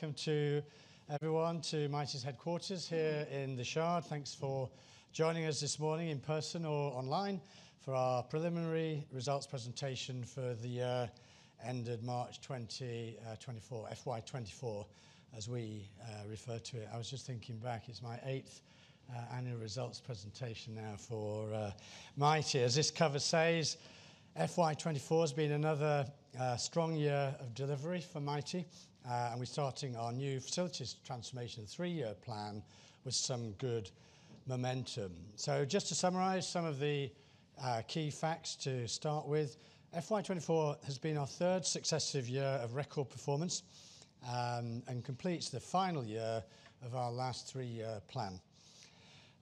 Welcome to everyone to Mitie's headquarters here in The Shard. Thanks for joining us this morning in person or online for our Preliminary Results Presentation For The End Of March 2024, FY24, as we refer to it. I was just thinking back, it's my eighth annual results presentation now for Mitie. As this cover says, FY24 has been another strong year of delivery for Mitie, and we're starting our new Facilities Transformation three-year plan with some good momentum. So just to summarize some of the key facts to start with, FY24 has been our third successive year of record performance and completes the final year of our last three-year plan.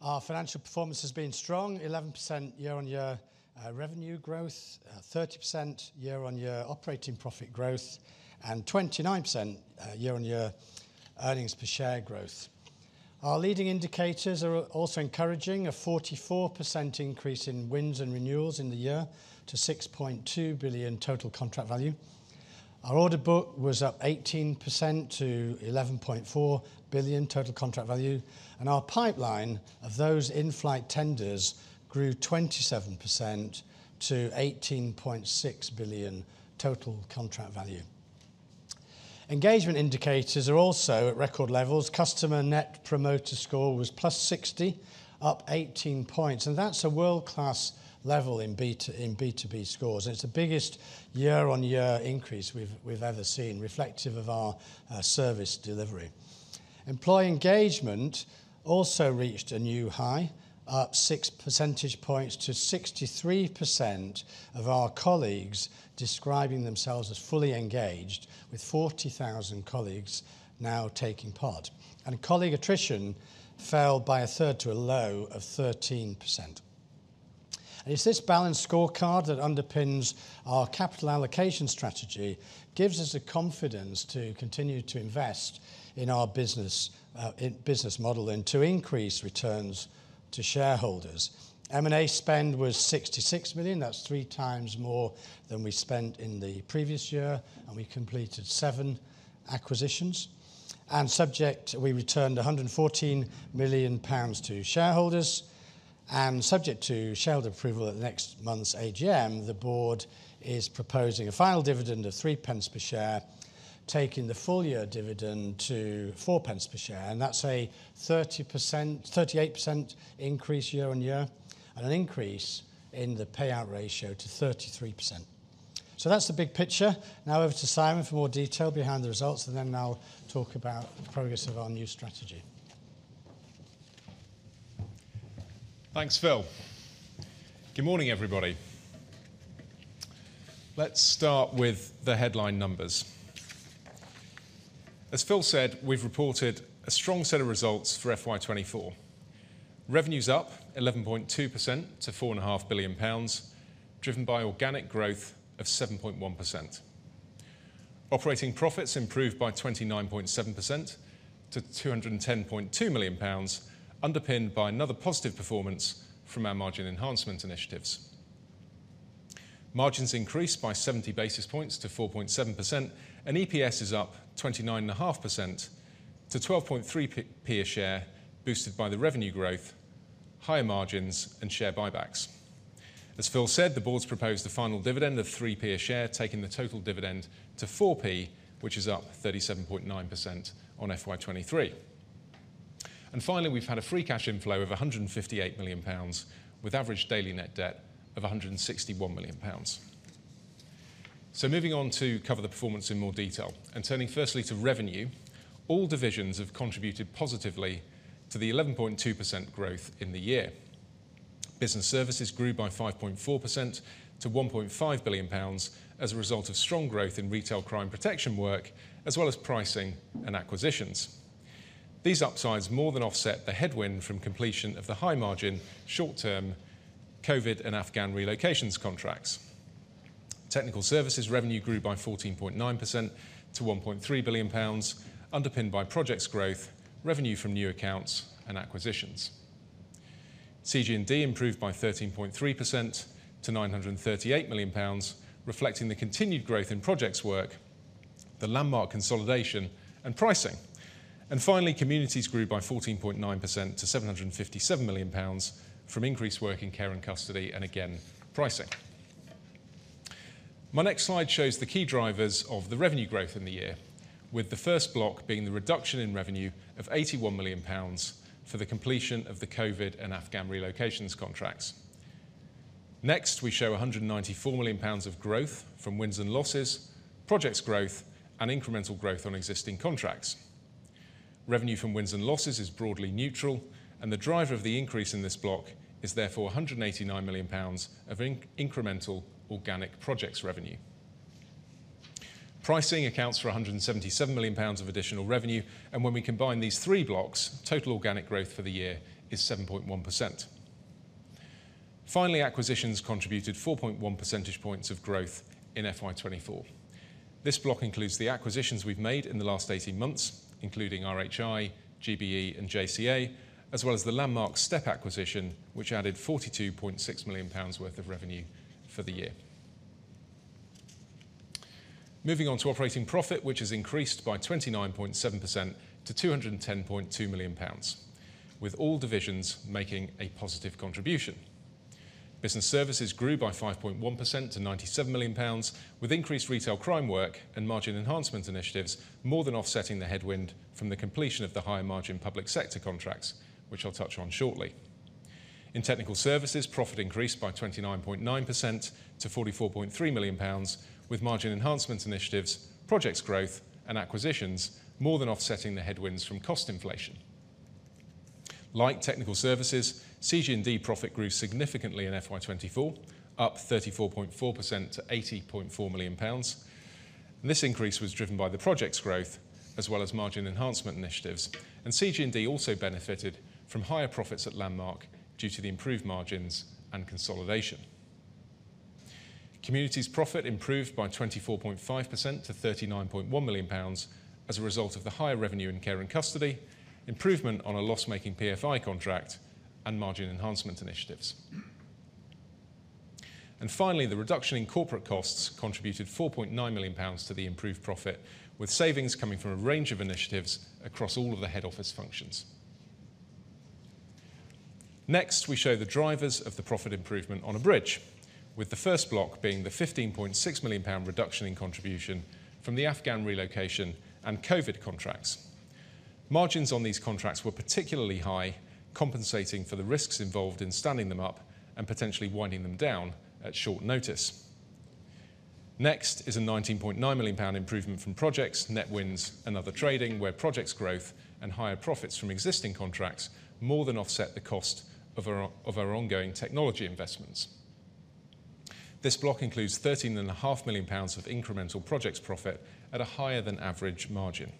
Our financial performance has been strong: 11% year-on-year revenue growth, 30% year-on-year operating profit growth, and 29% year-on-year earnings per share growth. Our leading indicators are also encouraging: a 44% increase in wins and renewals in the year to 6.2 billion total contract value. Our order book was up 18% to 11.4 billion total contract value, and our pipeline of those in-flight tenders grew 27% to 18.6 billion total contract value. Engagement indicators are also at record levels. Customer Net Promoter Score was plus 60, up 18 points, and that's a world-class level in B2B scores. It's the biggest year-on-year increase we've ever seen, reflective of our service delivery. Employee engagement also reached a new high, up 6 percentage points to 63% of our colleagues describing themselves as fully engaged, with 40,000 colleagues now taking part, and colleague attrition fell by a third to a low of 13%. It's this balanced scorecard that underpins our capital allocation strategy, gives us the confidence to continue to invest in our business model and to increase returns to shareholders. M&A spend was 66 million. That's three times more than we spent in the previous year, and we completed seven acquisitions. And subject, we returned 114 million pounds to shareholders. And subject to shareholder approval at next month's AGM, the board is proposing a final dividend of 0.03 per share, taking the full year dividend to 0.04 per share. And that's a 38% increase year-on-year and an increase in the payout ratio to 33%. So that's the big picture. Now over to Simon for more detail behind the results, and then I'll talk about the progress of our new strategy. Thanks, Phil. Good morning, everybody. Let's start with the headline numbers. As Phil said, we've reported a strong set of results for FY24. Revenues up 11.2% to 4.5 billion pounds, driven by organic growth of 7.1%. Operating profits improved by 29.7% to 210.2 million pounds, underpinned by another positive performance from our margin enhancement initiatives. Margins increased by 70 basis points to 4.7%, and EPS is up 29.5% to 12.3p per share, boosted by the revenue growth, higher margins, and share buybacks. As Phil said, the board's proposed the final dividend of 3p per share, taking the total dividend to 4p, which is up 37.9% on FY23. And finally, we've had a free cash inflow of 158 million pounds, with average daily net debt of 161 million pounds. Moving on to cover the performance in more detail and turning firstly to revenue, all divisions have contributed positively to the 11.2% growth in the year. Business Services grew by 5.4% to 1.5 billion pounds as a result of strong growth in retail crime protection work, as well as pricing and acquisitions. These upsides more than offset the headwind from completion of the high-margin short-term COVID and Afghan relocations contracts. Technical Services revenue grew by 14.9% to 1.3 billion pounds, underpinned by projects growth, revenue from new accounts, and acquisitions. CG&D improved by 13.3% to 938 million pounds, reflecting the continued growth in projects work, the Landmark consolidation, and pricing. Finally, communities grew by 14.9% to 757 million pounds from increased work in Care & Custody and, again, pricing. My next slide shows the key drivers of the revenue growth in the year, with the first block being the reduction in revenue of 81 million pounds for the completion of the COVID and Afghan relocations contracts. Next, we show 194 million pounds of growth from wins and losses, projects growth, and incremental growth on existing contracts. Revenue from wins and losses is broadly neutral, and the driver of the increase in this block is therefore 189 million pounds of incremental organic projects revenue. Pricing accounts for 177 million pounds of additional revenue, and when we combine these three blocks, total organic growth for the year is 7.1%. Finally, acquisitions contributed 4.1 percentage points of growth in FY24. This block includes the acquisitions we've made in the last 18 months, including RHI, GBE, and JCA, as well as the landmark stake acquisition, which added 42.6 million pounds worth of revenue for the year. Moving on to operating profit, which has increased by 29.7% to 210.2 million pounds, with all divisions making a positive contribution. Business Services grew by 5.1% to 97 million pounds, with increased retail crime work and margin enhancement initiatives more than offsetting the headwind from the completion of the higher-margin public sector contracts, which I'll touch on shortly. In Technical Services, profit increased by 29.9% to 44.3 million pounds, with margin enhancement initiatives, projects growth, and acquisitions more than offsetting the headwinds from cost inflation. Like Technical Services, CG&D profit grew significantly in FY24, up 34.4% to 80.4 million pounds. This increase was driven by the projects growth, as well as margin enhancement initiatives, and CG&D also benefited from higher profits at Landmark due to the improved margins and consolidation. Communities profit improved by 24.5% to 39.1 million pounds as a result of the higher revenue in Care & Custody, improvement on a loss-making PFI contract, and margin enhancement initiatives. And finally, the reduction in corporate costs contributed 4.9 million pounds to the improved profit, with savings coming from a range of initiatives across all of the head office functions. Next, we show the drivers of the profit improvement on a bridge, with the first block being the 15.6 million pound reduction in contribution from the Afghan relocation and COVID contracts. Margins on these contracts were particularly high, compensating for the risks involved in standing them up and potentially winding them down at short notice. Next is a 19.9 million pound improvement from projects, net wins, and other trading, where projects growth and higher profits from existing contracts more than offset the cost of our ongoing technology investments. This block includes 13.5 million pounds of incremental projects profit at a higher-than-average margin.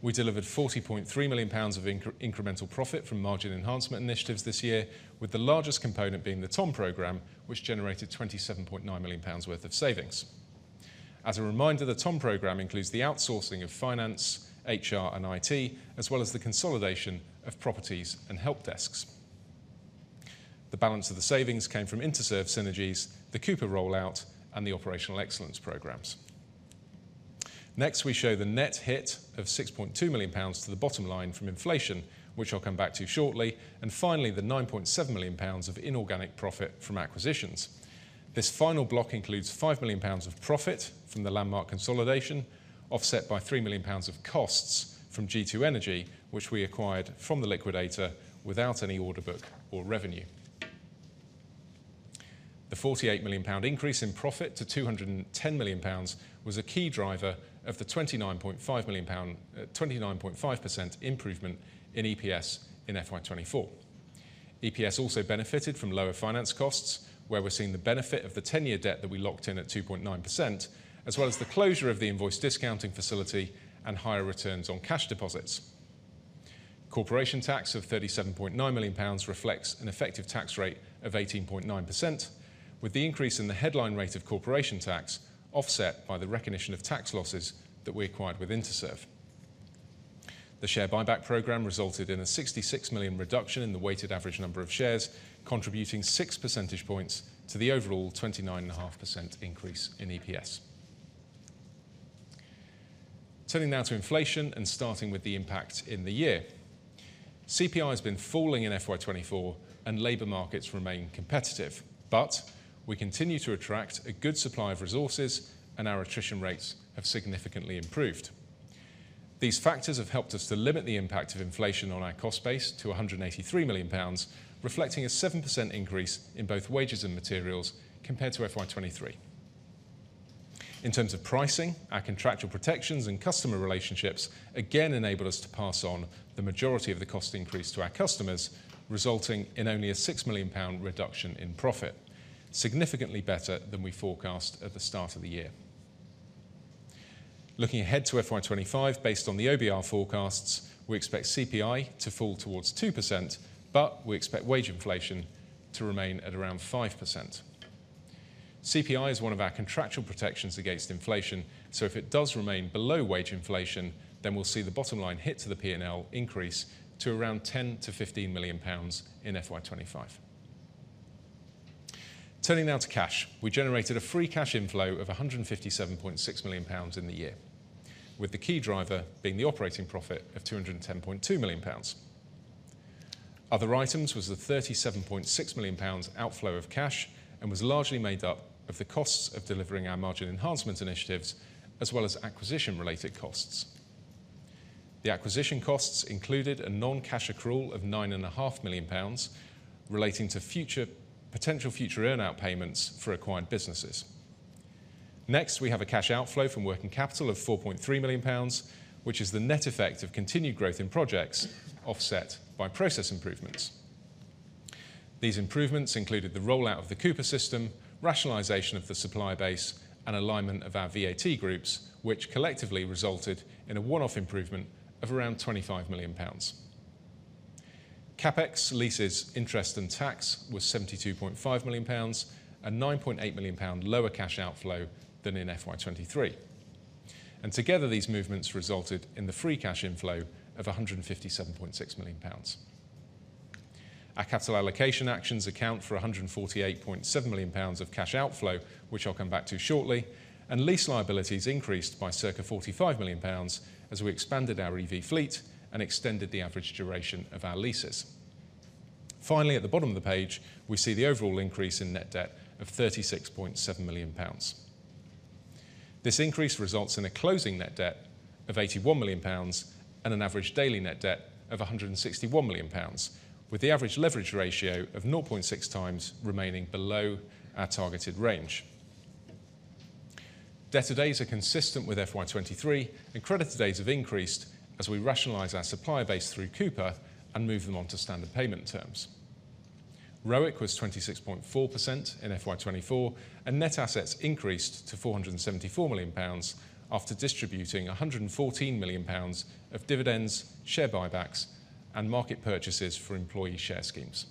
We delivered 40.3 million pounds of incremental profit from margin enhancement initiatives this year, with the largest component being the TOM program, which generated 27.9 million pounds worth of savings. As a reminder, the TOM program includes the outsourcing of finance, HR, and IT, as well as the consolidation of properties and help desks. The balance of the savings came from Interserve synergies, the Coupa rollout, and the operational excellence programs. Next, we show the net hit of 6.2 million pounds to the bottom line from inflation, which I'll come back to shortly, and finally, the 9.7 million pounds of inorganic profit from acquisitions. This final block includes 5 million pounds of profit from the Landmark consolidation, offset by 3 million pounds of costs from G2 Energy, which we acquired from the liquidator without any order book or revenue. The 48 million increase in profit to 210 million was a key driver of the 29.5% improvement in EPS in FY24. EPS also benefited from lower finance costs, where we're seeing the benefit of the 10-year debt that we locked in at 2.9%, as well as the closure of the invoice discounting facility and higher returns on cash deposits. Corporation tax of 37.9 million pounds reflects an effective tax rate of 18.9%, with the increase in the headline rate of corporation tax offset by the recognition of tax losses that we acquired with Interserve. The share buyback program resulted in a 66 million reduction in the weighted average number of shares, contributing six percentage points to the overall 29.5% increase in EPS. Turning now to inflation and starting with the impact in the year. CPI has been falling in FY24, and labor markets remain competitive, but we continue to attract a good supply of resources, and our attrition rates have significantly improved. These factors have helped us to limit the impact of inflation on our cost base to 183 million pounds, reflecting a 7% increase in both wages and materials compared to FY23. In terms of pricing, our contractual protections and customer relationships again enabled us to pass on the majority of the cost increase to our customers, resulting in only a 6 million pound reduction in profit, significantly better than we forecast at the start of the year. Looking ahead to FY25, based on the OBR forecasts, we expect CPI to fall towards 2%, but we expect wage inflation to remain at around 5%. CPI is one of our contractual protections against inflation, so if it does remain below wage inflation, then we'll see the bottom line hit to the P&L increase to around 10- 15 million pounds in FY25. Turning now to cash, we generated a free cash inflow of 157.6 million pounds in the year, with the key driver being the operating profit of 210.2 million pounds. Other items was the 37.6 million pounds outflow of cash and was largely made up of the costs of delivering our margin enhancement initiatives, as well as acquisition-related costs. The acquisition costs included a non-cash accrual of 9.5 million pounds relating to potential future earnout payments for acquired businesses. Next, we have a cash outflow from working capital of 4.3 million pounds, which is the net effect of continued growth in projects offset by process improvements. These improvements included the rollout of the Coupa system, rationalization of the supply base, and alignment of our VAT groups, which collectively resulted in a one-off improvement of around 25 million pounds. CapEx, leases, interest, and tax was 72.5 million pounds, a 9.8 million pound lower cash outflow than in FY23. And together, these movements resulted in the free cash inflow of 157.6 million pounds. Our capital allocation actions account for 148.7 million pounds of cash outflow, which I'll come back to shortly, and lease liabilities increased by circa 45 million pounds as we expanded our EV fleet and extended the average duration of our leases. Finally, at the bottom of the page, we see the overall increase in net debt of 36.7 million pounds. This increase results in a closing net debt of 81 million pounds and an average daily net debt of 161 million pounds, with the average leverage ratio of 0.6 times remaining below our targeted range. Debtor days are consistent with FY23, and creditor days have increased as we rationalize our supply base through Coupa and move them on to standard payment terms. ROIC was 26.4% in FY24, and net assets increased to 474 million pounds after distributing 114 million pounds of dividends, share buybacks, and market purchases for employee share schemes.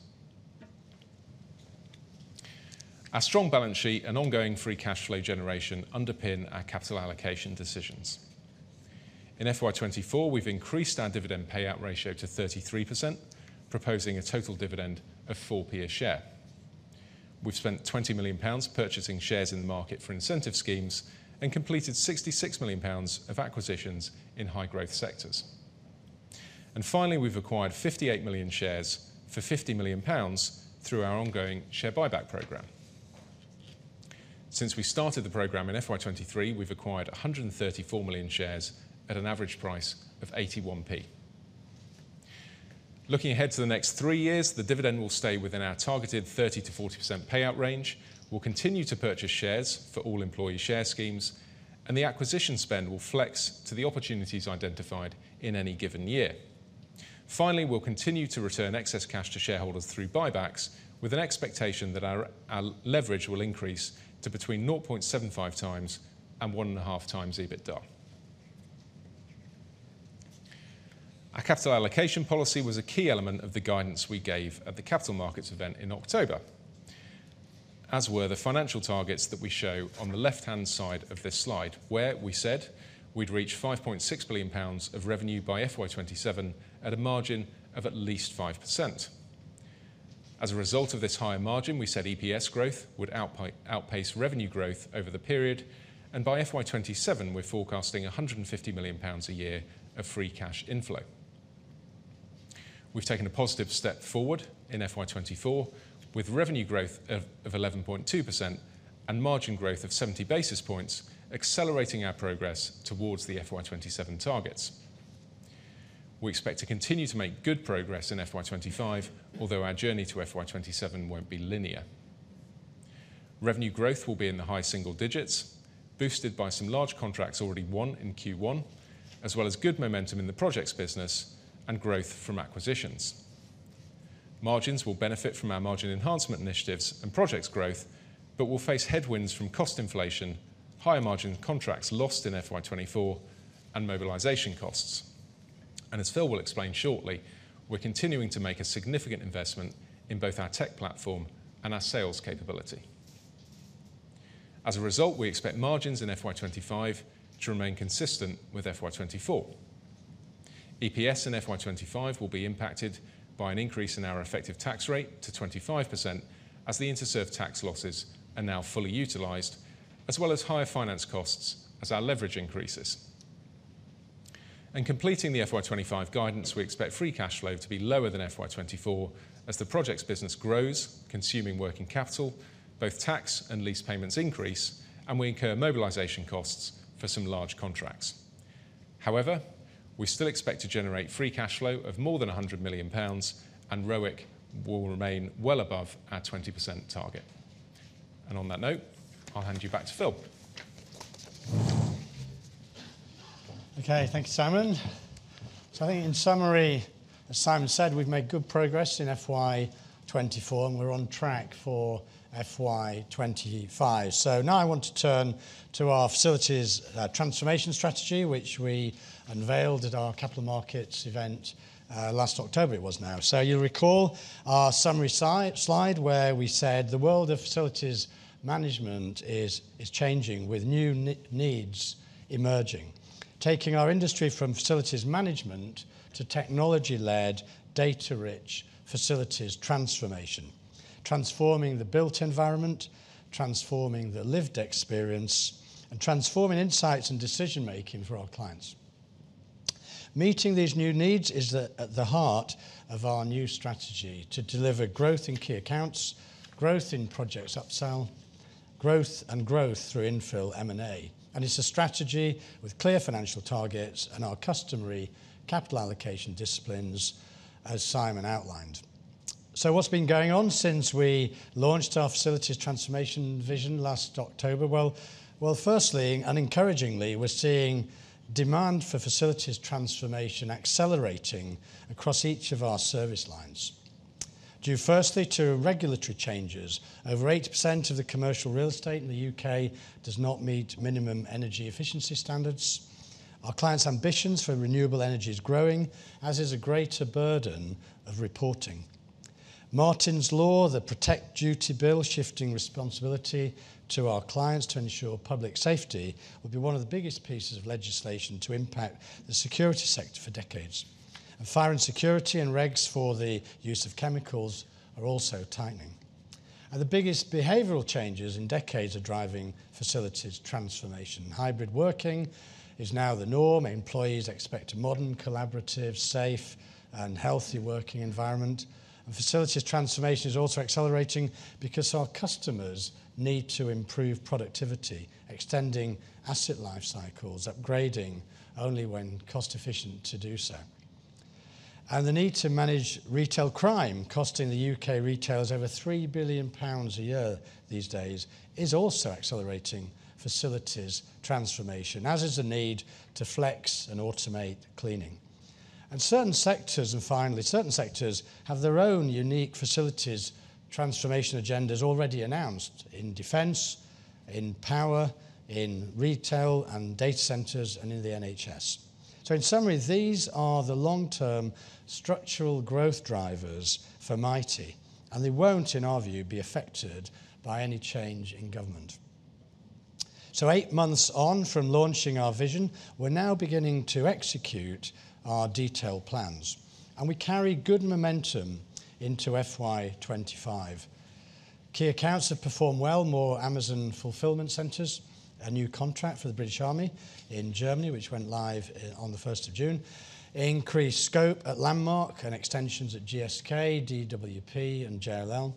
Our strong balance sheet and ongoing free cash flow generation underpin our capital allocation decisions. In FY24, we've increased our dividend payout ratio to 33%, proposing a total dividend of 4 per share. We've spent 20 million pounds purchasing shares in the market for incentive schemes and completed 66 million pounds of acquisitions in high-growth sectors. Finally, we've acquired 58 million shares for 50 million pounds through our ongoing share buyback program. Since we started the program in FY23, we've acquired 134 million shares at an average price of 0.81. Looking ahead to the next three years, the dividend will stay within our targeted 30%-40% payout range. We'll continue to purchase shares for all employee share schemes, and the acquisition spend will flex to the opportunities identified in any given year. Finally, we'll continue to return excess cash to shareholders through buybacks, with an expectation that our leverage will increase to between 0.75 times and 1.5 times EBITDA. Our capital allocation policy was a key element of the guidance we gave at the capital markets event in October, as were the financial targets that we show on the left-hand side of this slide, where we said we'd reach 5.6 billion pounds of revenue by FY27 at a margin of at least 5%. As a result of this higher margin, we said EPS growth would outpace revenue growth over the period, and by FY27, we're forecasting 150 million pounds a year of free cash inflow. We've taken a positive step forward in FY24, with revenue growth of 11.2% and margin growth of 70 basis points accelerating our progress towards the FY27 targets. We expect to continue to make good progress in FY25, although our journey to FY27 won't be linear. Revenue growth will be in the high single digits, boosted by some large contracts already won in Q1, as well as good momentum in the projects business and growth from acquisitions. Margins will benefit from our margin enhancement initiatives and projects growth, but will face headwinds from cost inflation, higher margin contracts lost in FY24, and mobilization costs. And as Phil will explain shortly, we're continuing to make a significant investment in both our tech platform and our sales capability. As a result, we expect margins in FY25 to remain consistent with FY24. EPS in FY25 will be impacted by an increase in our effective tax rate to 25%, as the Interserve tax losses are now fully utilized, as well as higher finance costs as our leverage increases. In completing the FY25 guidance, we expect free cash flow to be lower than FY24, as the projects business grows, consuming working capital, both tax and lease payments increase, and we incur mobilization costs for some large contracts. However, we still expect to generate free cash flow of more than 100 million pounds, and ROIC will remain well above our 20% target. And on that note, I'll hand you back to Phil. Okay, thank you, Simon. So I think in summary, as Simon said, we've made good progress in FY24, and we're on track for FY25. So now I want to turn to our facilities transformation strategy, which we unveiled at our capital markets event last October, it was now. So you'll recall our summary slide where we said the world of facilities management is changing with new needs emerging, taking our industry from facilities management to technology-led, data-rich facilities transformation, transforming the built environment, transforming the lived experience, and transforming insights and decision-making for our clients. Meeting these new needs is at the heart of our new strategy to deliver growth in key accounts, growth in projects upsell, growth, and growth through infill M&A. And it's a strategy with clear financial targets and our customary capital allocation disciplines, as Simon outlined. So what's been going on since we launched our facilities transformation vision last October? Well, firstly, and encouragingly, we're seeing demand for facilities transformation accelerating across each of our service lines, due firstly to regulatory changes. Over 80% of the commercial real estate in the U.K. does not meet minimum energy efficiency standards. Our clients' ambitions for renewable energy are growing, as is a greater burden of reporting. Martyn's Law, the Protect Duty Bill, shifting responsibility to our clients to ensure public safety, will be one of the biggest pieces of legislation to impact the security sector for decades. Fire and security and regs for the use of chemicals are also tightening. The biggest behavioral changes in decades are driving facilities transformation. Hybrid working is now the norm. Employees expect a modern, collaborative, safe, and healthy working environment. Facilities transformation is also accelerating because our customers need to improve productivity, extending asset life cycles, upgrading only when cost-efficient to do so. The need to manage retail crime, costing the UK retailers over 3 billion pounds a year these days, is also accelerating facilities transformation, as is the need to flex and automate cleaning. Certain sectors, and finally, certain sectors have their own unique facilities transformation agendas already announced in defense, in power, in retail and data centers, and in the NHS. In summary, these are the long-term structural growth drivers for Mitie, and they won't, in our view, be affected by any change in government. Eight months on from launching our vision, we're now beginning to execute our detailed plans, and we carry good momentum into FY25. Key accounts have performed well: more Amazon fulfillment centers, a new contract for the British Army in Germany, which went live on the 1st of June, increased scope at Landmark and extensions at GSK, DWP, and JLL.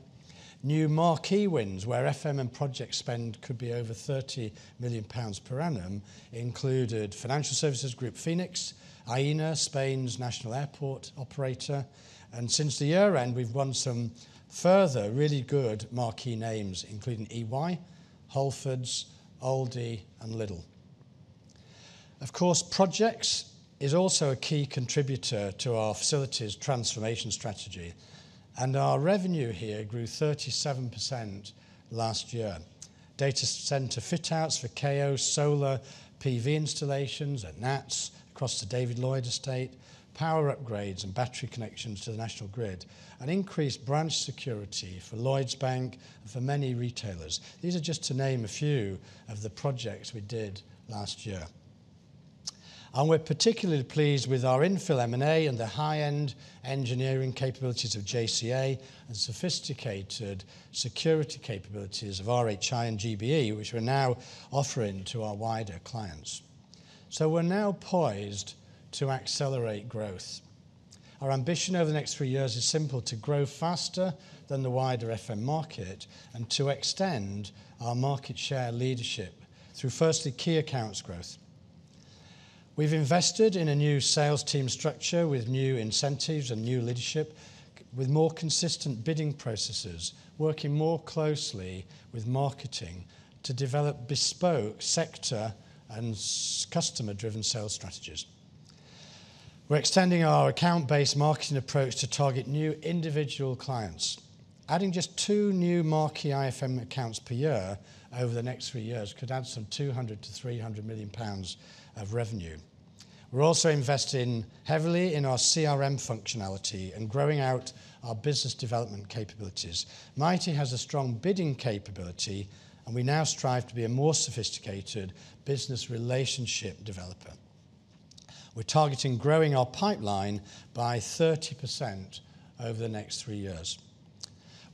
New marquee wins where FM and project spend could be over 30 million pounds per annum included financial services group Phoenix, Aena, Spain's national airport operator. And since the year-end, we've won some further really good marquee names, including EY, Whole Foods, Aldi, and Lidl. Of course, projects are also a key contributor to our facilities transformation strategy, and our revenue here grew 37% last year. Data center fit-outs for KO, solar, PV installations, and NATS across the David Lloyd estate, power upgrades and battery connections to the national grid, and increased branch security for Lloyds Bank and for many retailers. These are just to name a few of the projects we did last year. And we're particularly pleased with our infill M&A and the high-end engineering capabilities of JCA and sophisticated security capabilities of RHI and GBE, which we're now offering to our wider clients. So we're now poised to accelerate growth. Our ambition over the next three years is simple: to grow faster than the wider FM market and to extend our market share leadership through, firstly, key accounts growth. We've invested in a new sales team structure with new incentives and new leadership, with more consistent bidding processes, working more closely with marketing to develop bespoke sector and customer-driven sales strategies. We're extending our account-based marketing approach to target new individual clients. Adding just two new marquee IFM accounts per year over the next three years could add some 200- 300 million pounds of revenue. We're also investing heavily in our CRM functionality and growing out our business development capabilities. Mitie has a strong bidding capability, and we now strive to be a more sophisticated business relationship developer. We're targeting growing our pipeline by 30% over the next three years.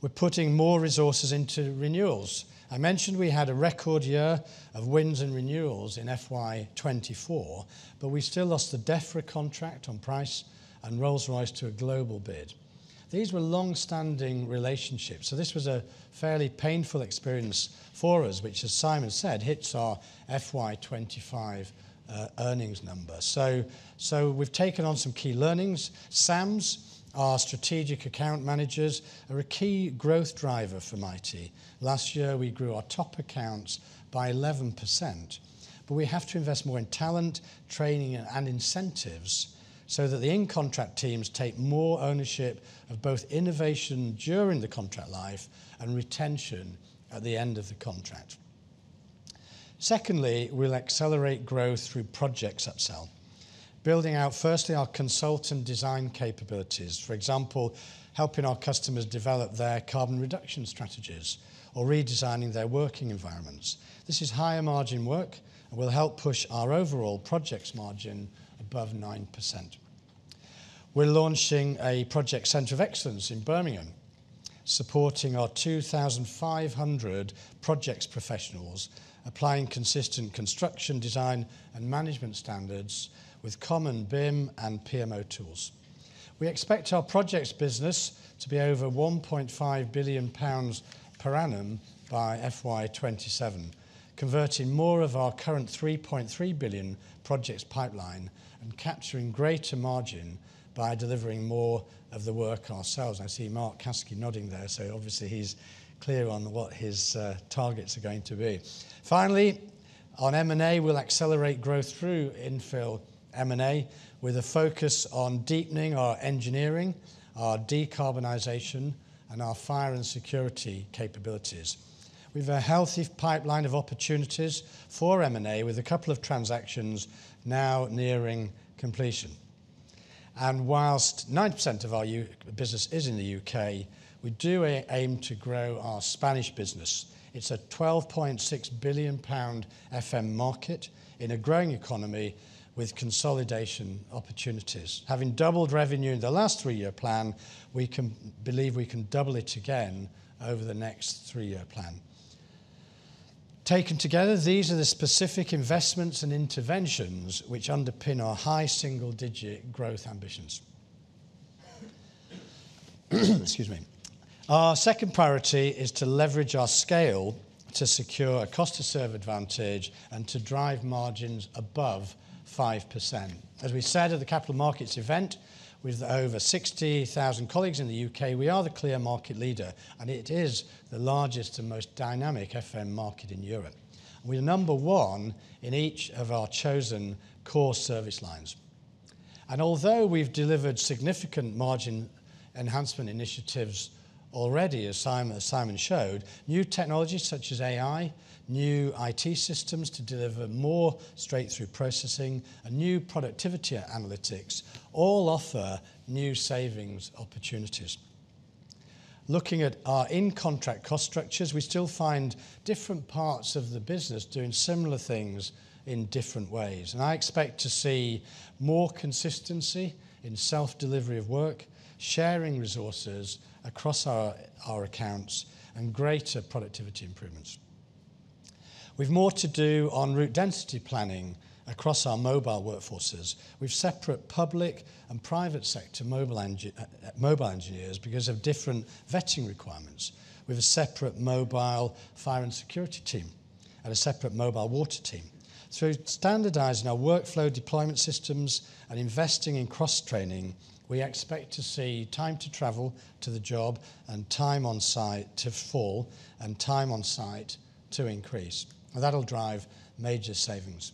We're putting more resources into renewals. I mentioned we had a record year of wins and renewals in FY24, but we still lost the Defra contract on price and Rolls-Royce to a global bid. These were long-standing relationships, so this was a fairly painful experience for us, which, as Simon said, hits our FY25 earnings number. So we've taken on some key learnings. SAMs, our strategic account managers, are a key growth driver for Mitie. Last year, we grew our top accounts by 11%. But we have to invest more in talent, training, and incentives so that the in-contract teams take more ownership of both innovation during the contract life and retention at the end of the contract. Secondly, we'll accelerate growth through projects upsell, building out, firstly, our consultant design capabilities, for example, helping our customers develop their carbon reduction strategies or redesigning their working environments. This is higher margin work and will help push our overall projects margin above 9%. We're launching a project center of excellence in Birmingham, supporting our 2,500 projects professionals, applying consistent construction design and management standards with common BIM and PMO tools. We expect our projects business to be over 1.5 billion pounds per annum by FY27, converting more of our current 3.3 billion projects pipeline and capturing greater margin by delivering more of the work ourselves. I see Mark Caskey nodding there, so obviously he's clear on what his targets are going to be. Finally, on M&A, we'll accelerate growth through infill M&A with a focus on deepening our engineering, our decarbonization, and our fire and security capabilities. We have a healthy pipeline of opportunities for M&A with a couple of transactions now nearing completion. While 90% of our business is in the UK, we do aim to grow our Spanish business. It's a 12.6 billion pound FM market in a growing economy with consolidation opportunities. Having doubled revenue in the last three-year plan, we believe we can double it again over the next three-year plan. Taken together, these are the specific investments and interventions which underpin our high single-digit growth ambitions. Excuse me. Our second priority is to leverage our scale to secure a cost-to-serve advantage and to drive margins above 5%. As we said at the capital markets event, with over 60,000 colleagues in the UK, we are the clear market leader, and it is the largest and most dynamic FM market in Europe. We are number one in each of our chosen core service lines. And although we've delivered significant margin enhancement initiatives already, as Simon showed, new technologies such as AI, new IT systems to deliver more straight-through processing, and new productivity analytics all offer new savings opportunities. Looking at our in-contract cost structures, we still find different parts of the business doing similar things in different ways. And I expect to see more consistency in self-delivery of work, sharing resources across our accounts, and greater productivity improvements. We have more to do on route density planning across our mobile workforces. We have separate public and private sector mobile engineers because of different vetting requirements. We have a separate mobile fire and security team and a separate mobile water team. So standardizing our workflow deployment systems and investing in cross-training, we expect to see time to travel to the job and time on site to fall and time on site to increase. That'll drive major savings.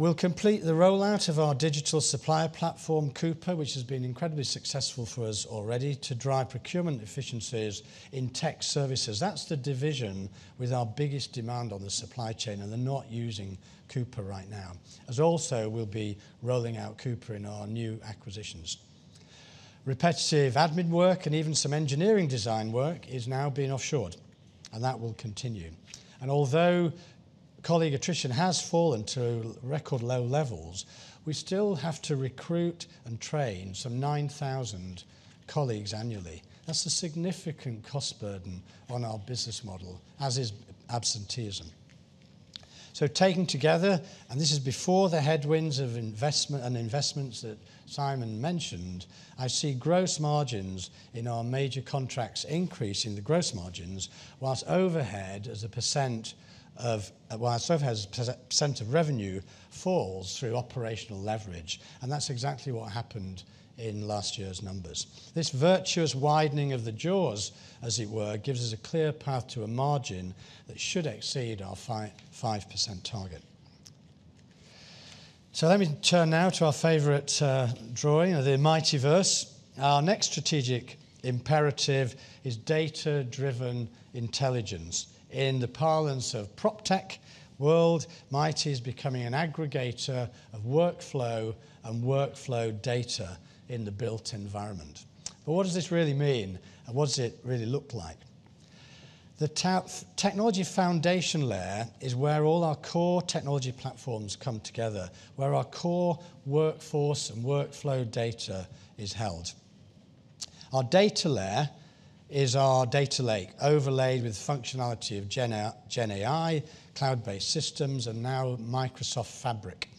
We'll complete the rollout of our digital supplier platform, Coupa, which has been incredibly successful for us already, to drive procurement efficiencies in Tech Services. That's the division with our biggest demand on the supply chain, and they're not using Coupa right now, as also we'll be rolling out Coupa in our new acquisitions. Repetitive admin work and even some engineering design work is now being offshored, and that will continue. Although colleague attrition has fallen to record low levels, we still have to recruit and train some 9,000 colleagues annually. That's a significant cost burden on our business model, as is absenteeism. So taken together, and this is before the headwinds of investment and investments that Simon mentioned, I see gross margins in our major contracts increasing, while overhead, as a percent of revenue falls through operational leverage. And that's exactly what happened in last year's numbers. This virtuous widening of the jaws, as it were, gives us a clear path to a margin that should exceed our 5% target. So let me turn now to our favorite drawing, the MitieVerse. Our next strategic imperative is data-driven intelligence. In the parlance of proptech world, Mitie is becoming an aggregator of workflow and workflow data in the built environment. But what does this really mean, and what does it really look like? The technology foundation layer is where all our core technology platforms come together, where our core workforce and workflow data is held. Our data layer is our data lake, overlaid with functionality of GenAI, cloud-based systems, and now Microsoft Fabric.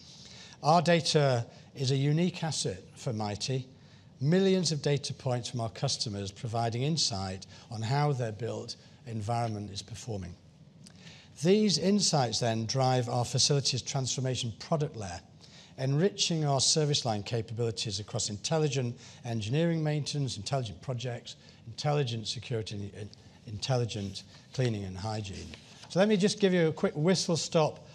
Our data is a unique asset for Mitie, millions of data points from our customers providing insight on how their built environment is performing. These insights then drive our Facilities Transformation product layer, enriching our service line capabilities across Intelligent Engineering Maintenance, Intelligent Projects, Intelligent Security, and Intelligent Cleaning and Hygiene. So let me just give you a quick whistle-stop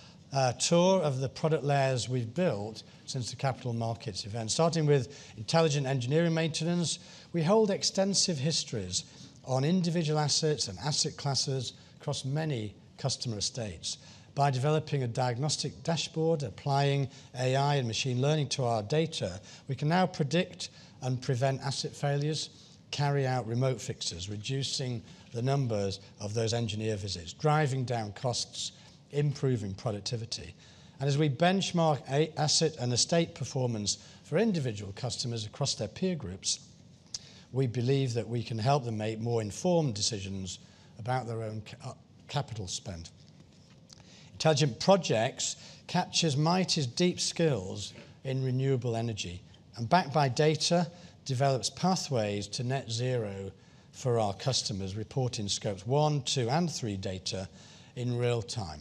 tour of the product layers we've built since the capital markets event, starting with Intelligent Engineering Maintenance. We hold extensive histories on individual assets and asset classes across many customer estates. By developing a diagnostic dashboard, applying AI and machine learning to our data, we can now predict and prevent asset failures, carry out remote fixes, reducing the numbers of those engineer visits, driving down costs, improving productivity. And as we benchmark asset and estate performance for individual customers across their peer groups, we believe that we can help them make more informed decisions about their own capital spend. Intelligent Projects capture Mitie's deep skills in renewable energy and, backed by data, develop pathways to Net Zero for our customers, reporting Scopes 1, 2, and 3 data in real time.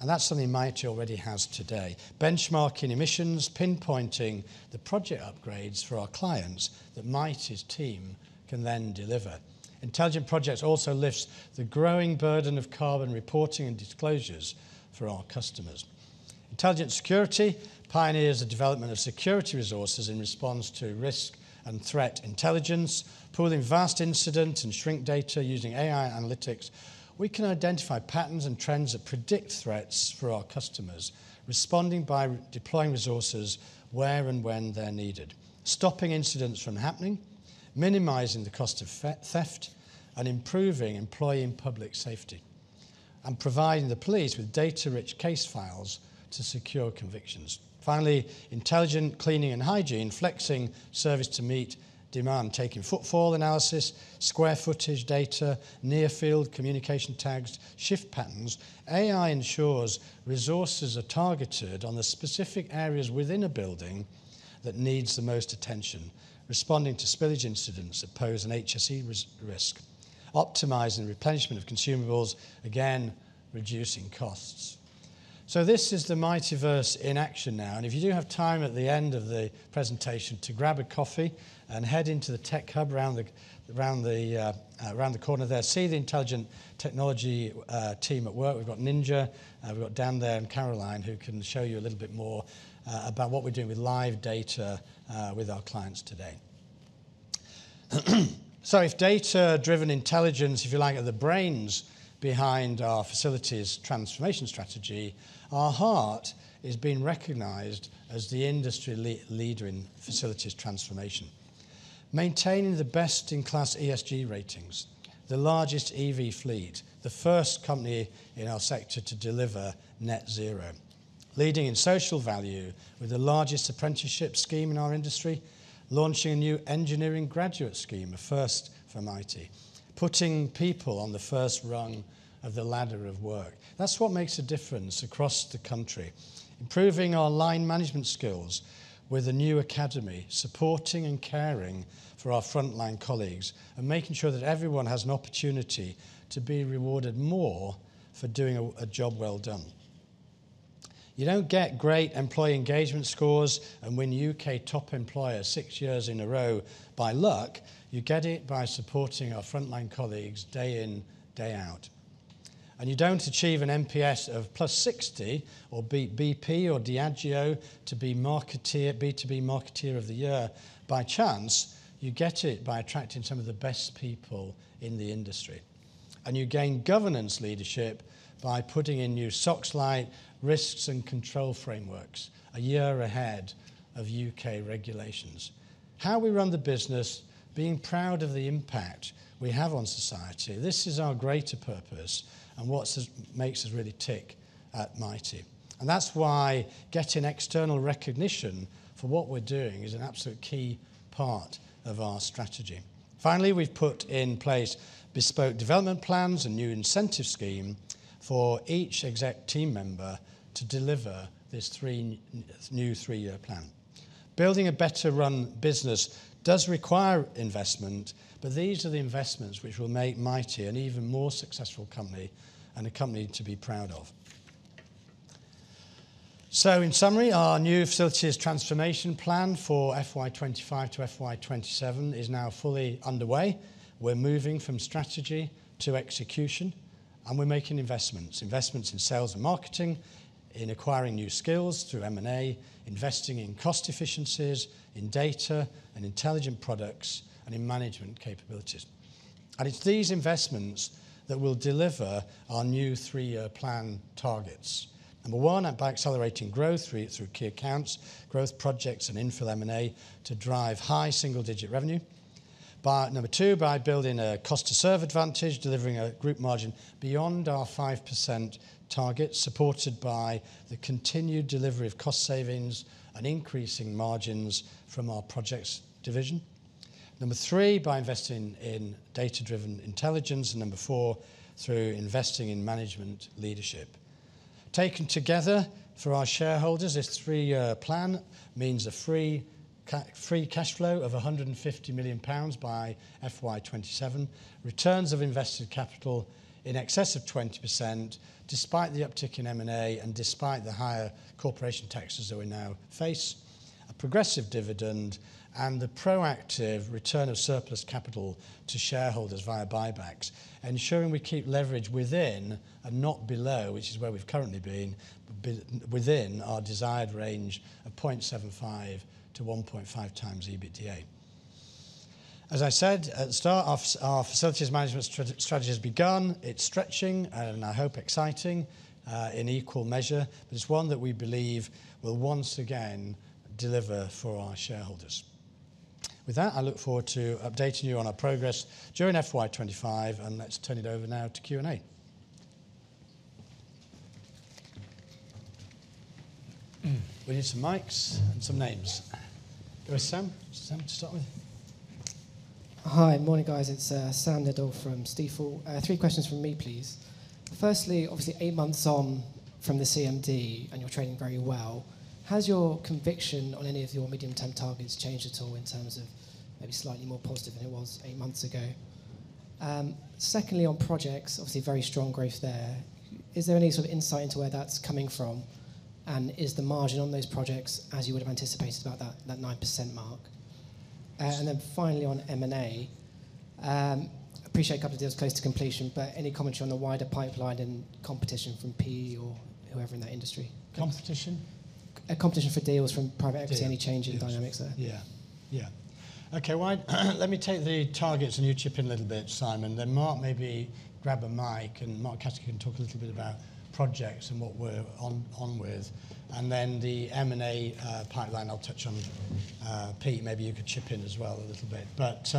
And that's something Mitie already has today, benchmarking emissions, pinpointing the project upgrades for our clients that Mitie's team can then deliver. Intelligent Projects also lift the growing burden of carbon reporting and disclosures for our customers. Intelligent Security pioneers the development of security resources in response to risk and threat intelligence, pooling vast incidents and shrink data using AI analytics. We can identify patterns and trends that predict threats for our customers, responding by deploying resources where and when they're needed, stopping incidents from happening, minimizing the cost of theft, and improving employee and public safety, and providing the police with data-rich case files to secure convictions. Finally, Intelligent Cleaning and Hygiene, flexing service to meet demand, taking footfall analysis, square footage data, near-field communication tags, shift patterns. AI ensures resources are targeted on the specific areas within a building that need the most attention, responding to spillage incidents that pose an HSE risk, optimizing replenishment of consumables, again reducing costs, so this is the MitieVerse in action now. And if you do have time at the end of the presentation to grab a coffee and head into the tech hub around the corner there, see the intelligent technology team at work. We've got Ninja, we've got Dan there and Caroline, who can show you a little bit more about what we're doing with live data with our clients today. So if data-driven intelligence, if you like, are the brains behind our facilities transformation strategy, our heart is being recognized as the industry leader in facilities transformation, maintaining the best-in-class ESG ratings, the largest EV fleet, the first company in our sector to deliver Net Zero, leading in social value with the largest apprenticeship scheme in our industry, launching a new engineering graduate scheme, a first for Mitie, putting people on the first rung of the ladder of work. That's what makes a difference across the country, improving our line management skills with a new academy, supporting and caring for our frontline colleagues, and making sure that everyone has an opportunity to be rewarded more for doing a job well done. You don't get great employee engagement scores and win UK top employer six years in a row by luck. You get it by supporting our frontline colleagues day in, day out. And you don't achieve an NPS of plus 60 or beat BP or Diageo to be B2B marketer of the year. By chance, you get it by attracting some of the best people in the industry. And you gain governance leadership by putting in new SOX like risks and control frameworks a year ahead of UK regulations. How we run the business, being proud of the impact we have on society. This is our greater purpose and what makes us really tick at Mitie. And that's why getting external recognition for what we're doing is an absolute key part of our strategy. Finally, we've put in place bespoke development plans and new incentive scheme for each exec team member to deliver this new three-year plan. Building a better-run business does require investment, but these are the investments which will make Mitie an even more successful company and a company to be proud of. So in summary, our new Facilities Transformation plan for FY25 to FY27 is now fully underway. We're moving from strategy to execution, and we're making investments, investments in sales and marketing, in acquiring new skills through M&A, investing in cost efficiencies, in data and intelligent products, and in management capabilities. And it's these investments that will deliver our new three-year plan targets. Number one, by accelerating growth through key accounts, growth projects, and infill M&A to drive high single-digit revenue. Number two, by building a cost-to-serve advantage, delivering a group margin beyond our 5% target, supported by the continued delivery of cost savings and increasing margins from our projects division. Number three, by investing in data-driven intelligence. And number four, through investing in management leadership. Taken together for our shareholders, this three-year plan means a free cash flow of 150 million pounds by FY27, returns of invested capital in excess of 20% despite the uptick in M&A and despite the higher corporation taxes that we now face, a progressive dividend, and the proactive return of surplus capital to shareholders via buybacks, ensuring we keep leverage within and not below, which is where we've currently been, within our desired range of 0.75-1.5 times EBITDA. As I said, at the start, our facilities management strategy has begun. It's stretching and, I hope, exciting in equal measure, but it's one that we believe will once again deliver for our shareholders. With that, I look forward to updating you on our progress during FY25, and let's turn it over now to Q&A. We need some mics and some names. Go ahead, Sam. Sam, to start with. Hi. Morning, guys. It's Sam Dindol from Stifel. Three questions from me, please. Firstly, obviously, eight months on from the CMD and you're trading very well. Has your conviction on any of your medium-term targets changed at all in terms of maybe slightly more positive than it was eight months ago? Secondly, on projects, obviously, very strong growth there. Is there any sort of insight into where that's coming from? And is the margin on those projects, as you would have anticipated, about that 9% mark? And then finally, on M&A, appreciate a couple of deals close to completion, but any commentary on the wider pipeline and competition from PE or whoever in that industry? Competition? Competition for deals from private equity, any change in dynamics there? Yeah. Yeah. Okay. Let me take the targets and you chip in a little bit, Simon. Then Mark, maybe grab a mic. Mark Caskey, you can talk a little bit about projects and what we're on with. Then the M&A pipeline, I'll touch on. Pete, maybe you could chip in as well a little bit. But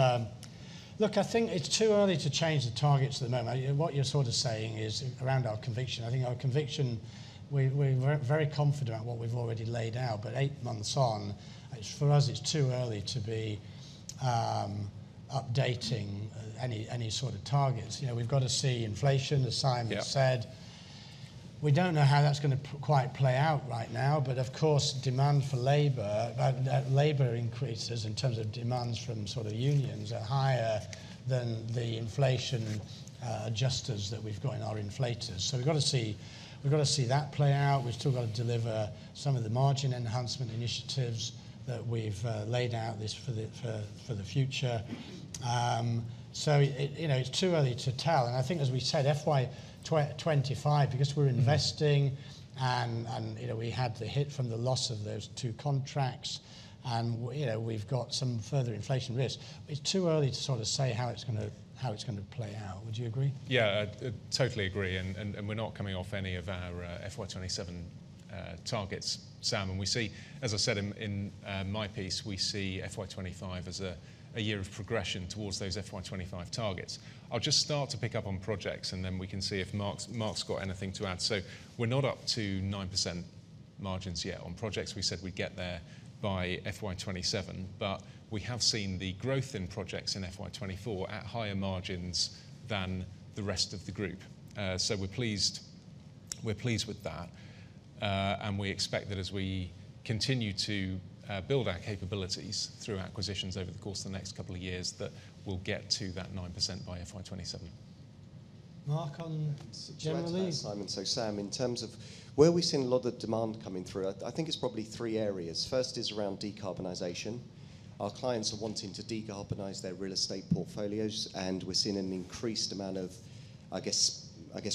look, I think it's too early to change the targets at the moment. What you're sort of saying is around our conviction. I think our conviction. We're very confident about what we've already laid out, but eight months on, for us, it's too early to be updating any sort of targets. We've got to see inflation, as Simon said. We don't know how that's going to quite play out right now, but of course, demand for labor, labor increases in terms of demands from sort of unions are higher than the inflation adjusters that we've got in our contracts. So we've got to see that play out. We've still got to deliver some of the margin enhancement initiatives that we've laid out for the future, so it's too early to tell, and I think, as we said, FY25, because we're investing and we had the hit from the loss of those two contracts, and we've got some further inflation risk, it's too early to sort of say how it's going to play out. Would you agree? Yeah, I totally agree, and we're not coming off any of our FY27 targets, Simon. As I said in my piece, we see FY25 as a year of progression towards those FY25 targets. I'll just start to pick up on projects, and then we can see if Mark's got anything to add, so we're not up to 9% margins yet on projects. We said we'd get there by FY27, but we have seen the growth in projects in FY24 at higher margins than the rest of the group, so we're pleased with that, and we expect that as we continue to build our capabilities through acquisitions over the course of the next couple of years, that we'll get to that 9% by FY27. Mark, on generally. Simon. So, Sam, in terms of where we're seeing a lot of demand coming through, I think it's probably three areas. First is around decarbonization. Our clients are wanting to decarbonize their real estate portfolios, and we're seeing an increased amount of, I guess,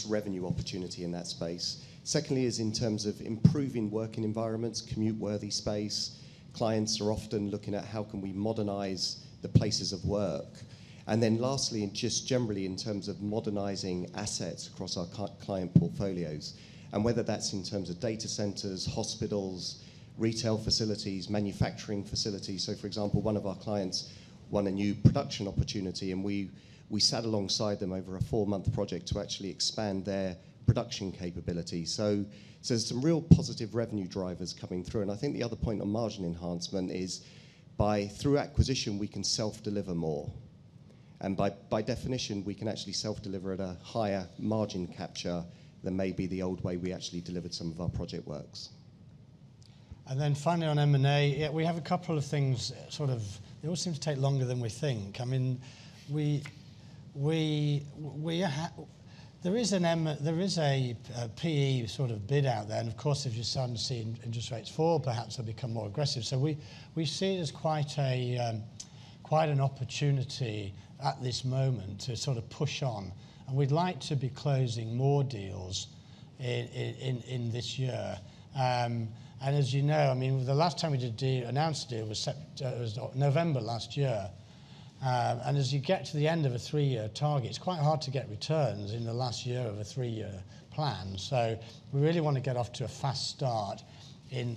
revenue opportunity in that space. Secondly is in terms of improving working environments, commute-worthy space. Clients are often looking at how can we modernize the places of work. And then lastly, just generally in terms of modernizing assets across our client portfolios, and whether that's in terms of data centers, hospitals, retail facilities, manufacturing facilities. So for example, one of our clients won a new production opportunity, and we sat alongside them over a four-month project to actually expand their production capability. So there's some real positive revenue drivers coming through. And I think the other point on margin enhancement is by through acquisition, we can self-deliver more. And by definition, we can actually self-deliver at a higher margin capture than maybe the old way we actually delivered some of our project works. And then finally on M&A, we have a couple of things sort of they all seem to take longer than we think. I mean, there is a PE sort of bid out there. Of course, if you start to see interest rates fall, perhaps they'll become more aggressive. We see it as quite an opportunity at this moment to sort of push on. We'd like to be closing more deals in this year. As you know, I mean, the last time we announced a deal was November last year. As you get to the end of a three-year target, it's quite hard to get returns in the last year of a three-year plan. We really want to get off to a fast start in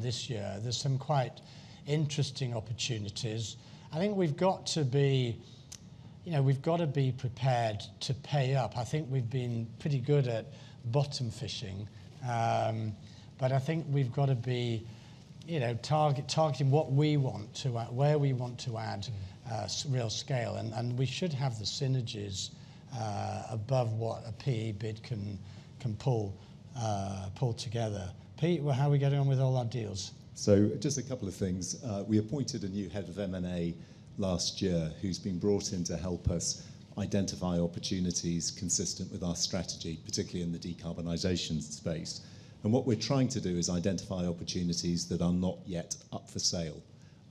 this year. There's some quite interesting opportunities. I think we've got to be prepared to pay up. I think we've been pretty good at bottom fishing, but I think we've got to be targeting what we want to add, where we want to add real scale. And we should have the synergies above what a PE bid can pull together. Pete, how are we getting on with all our deals? So just a couple of things. We appointed a new head of M&A last year who's been brought in to help us identify opportunities consistent with our strategy, particularly in the decarbonization space. And what we're trying to do is identify opportunities that are not yet up for sale.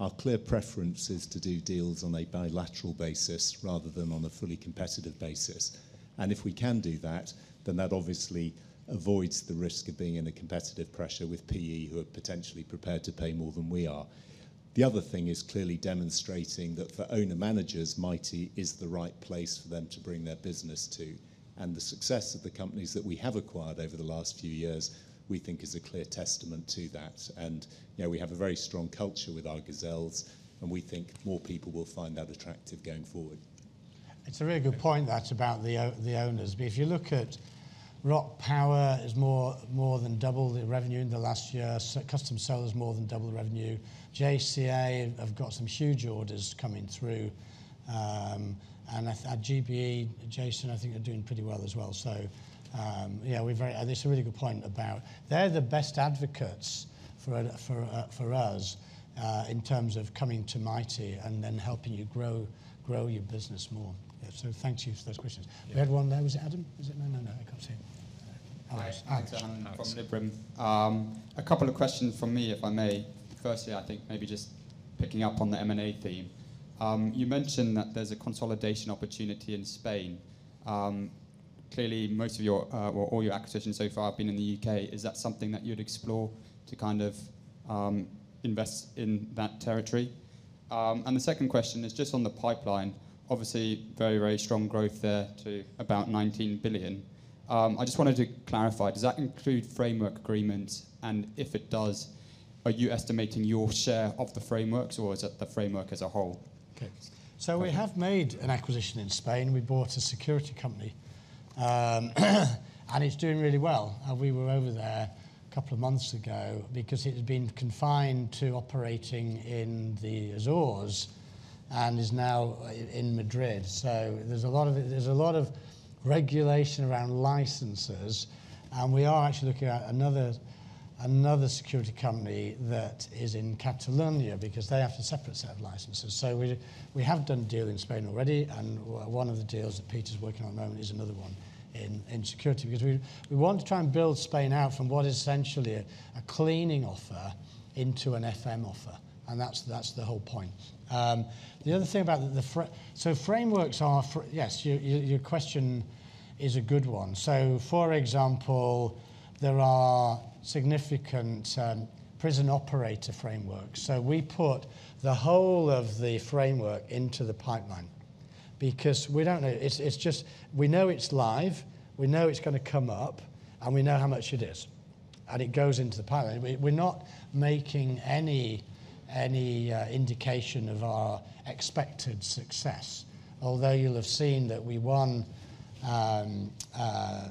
Our clear preference is to do deals on a bilateral basis rather than on a fully competitive basis. And if we can do that, then that obviously avoids the risk of being in a competitive pressure with PE who are potentially prepared to pay more than we are. The other thing is clearly demonstrating that for owner-managers, Mitie is the right place for them to bring their business to. The success of the companies that we have acquired over the last few years, we think, is a clear testament to that. We have a very strong culture with our gazelles, and we think more people will find that attractive going forward. It's a really good point that's about the owners. If you look at Rock Power, it's more than double the revenue in the last year. Custom Solar is more than double the revenue. JCA have got some huge orders coming through. And GBE, Jason, I think they're doing pretty well as well. So yeah, it's a really good point about they're the best advocates for us in terms of coming to Mitie and then helping you grow your business more. So thank you for those questions. We had one there. Was it Adam? No, no, no. I can't see him. Hi. Hi. Sam from Liberum. A couple of questions from me, if I may. Firstly, I think maybe just picking up on the M&A theme. You mentioned that there's a consolidation opportunity in Spain. Clearly, most of your or all your acquisitions so far have been in the U.K. Is that something that you'd explore to kind of invest in that territory? And the second question is just on the pipeline. Obviously, very, very strong growth there to about 19 billion. I just wanted to clarify, does that include framework agreements? And if it does, are you estimating your share of the frameworks, or is it the framework as a whole? Okay. So we have made an acquisition in Spain. We bought a security company, and it's doing really well. We were over there a couple of months ago because it had been confined to operating in the Azores and is now in Madrid. So there's a lot of regulation around licenses. And we are actually looking at another security company that is in Catalonia because they have a separate set of licenses. So we have done a deal in Spain already. And one of the deals that Pete is working on at the moment is another one in security because we want to try and build Spain out from what is essentially a cleaning offer into an FM offer. And that's the whole point. The other thing about the so frameworks are, yes, your question is a good one. So for example, there are significant prison operator frameworks. So we put the whole of the framework into the pipeline because we don't know. We know it's live. We know it's going to come up, and we know how much it is. And it goes into the pipeline. We're not making any indication of our expected success, although you'll have seen that we won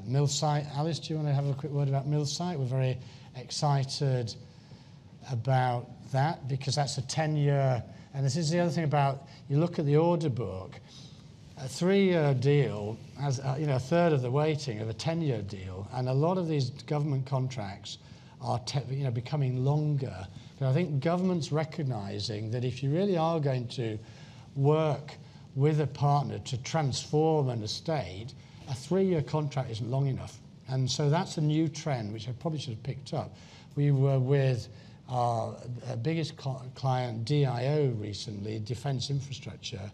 Millsike. Alice, do you want to have a quick word about Millsike? We're very excited about that because that's a 10-year, and this is the other thing about you look at the order book. A three-year deal has a third of the weighting of a 10-year deal, and a lot of these government contracts are becoming longer, but I think governments recognizing that if you really are going to work with a partner to transform an estate, a three-year contract isn't long enough, and so that's a new trend, which I probably should have picked up. We were with our biggest client, DIO, recently, defense infrastructure,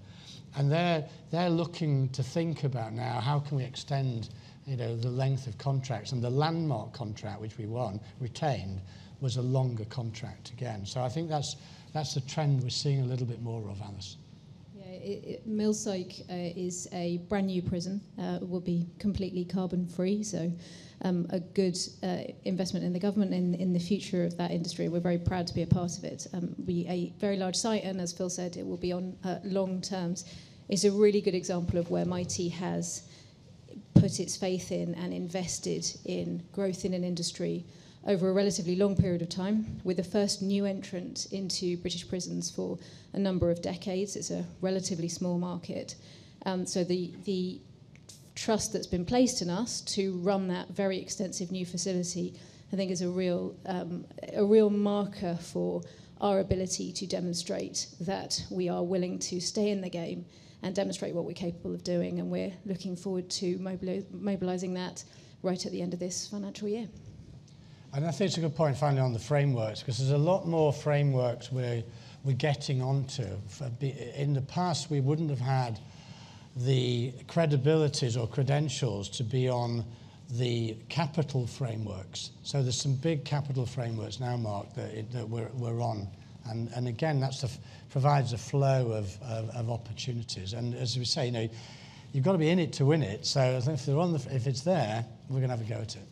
and they're looking to think about now how can we extend the length of contracts, and the landmark contract, which we won, retained, was a longer contract again. So I think that's a trend we're seeing a little bit more of, Alice. Yeah. Millsike is a brand new prison. It will be completely carbon-free. So a good investment in the government and in the future of that industry. We're very proud to be a part of it. A very large site, and as Phil said, it will be on long terms. It's a really good example of where Mitie has put its faith in and invested in growth in an industry over a relatively long period of time, with the first new entrants into British prisons for a number of decades. It's a relatively small market. So the trust that's been placed in us to run that very extensive new facility, I think, is a real marker for our ability to demonstrate that we are willing to stay in the game and demonstrate what we're capable of doing. We're looking forward to mobilizing that right at the end of this financial year. I think it's a good point, finally, on the frameworks, because there's a lot more frameworks we're getting onto. In the past, we wouldn't have had the credibilities or credentials to be on the capital frameworks. So there's some big capital frameworks now, Mark, that we're on. And again, that provides a flow of opportunities. And as we say, you've got to be in it to win it. So I think if it's there, we're going to have a go at it.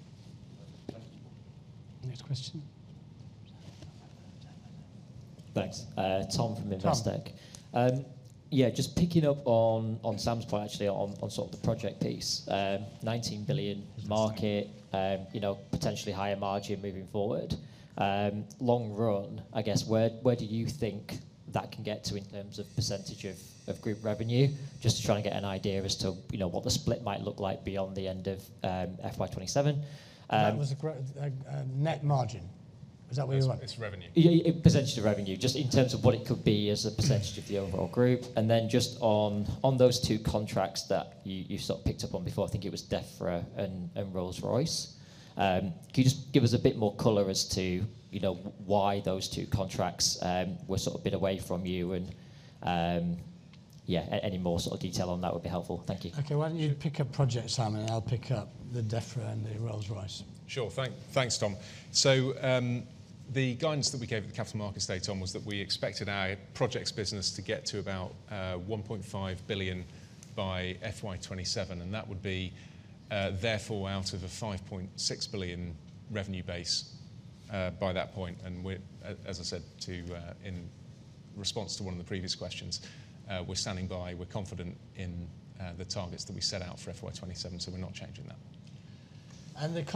Next question. Thanks. Tom from Investec. Yeah, just picking up on Sam's point, actually, on sort of the project piece. 19 billion market, potentially higher margin moving forward. Long run, I guess, where do you think that can get to in terms of percentage of group revenue, just to try and get an idea as to what the split might look like beyond the end of FY27? Net margin. Is that what you want? It's revenue. Percentage of revenue, just in terms of what it could be as a percentage of the overall group. And then just on those two contracts that you sort of picked up on before, I think it was Defra and Rolls-Royce. Can you just give us a bit more color as to why those two contracts were sort of a bit away from you? And yeah, any more sort of detail on that would be helpful. Thank you. Okay. Why don't you pick a project, Simon, and I'll pick up the Defra and the Rolls-Royce? Sure. Thanks, Tom. The guidance that we gave at the Capital Markets Day, Tom, was that we expected our projects business to get to about 1.5 billion by FY27. That would be, therefore, out of a 5.6 billion revenue base by that point. As I said, in response to one of the previous questions, we're standing by. We're confident in the targets that we set out for FY27, so we're not changing that. I mean,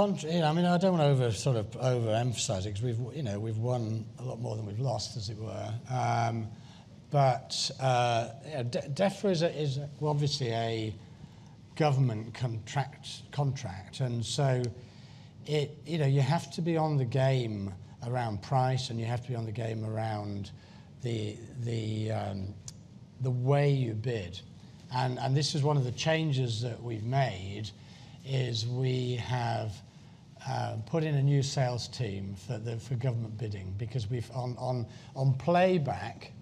I don't want to sort of overemphasize it because we've won a lot more than we've lost, as it were. Defra is obviously a government contract. You have to be on the game around price, and you have to be on the game around the way you bid. And this is one of the changes that we've made, is we have put in a new sales team for government bidding because on playback,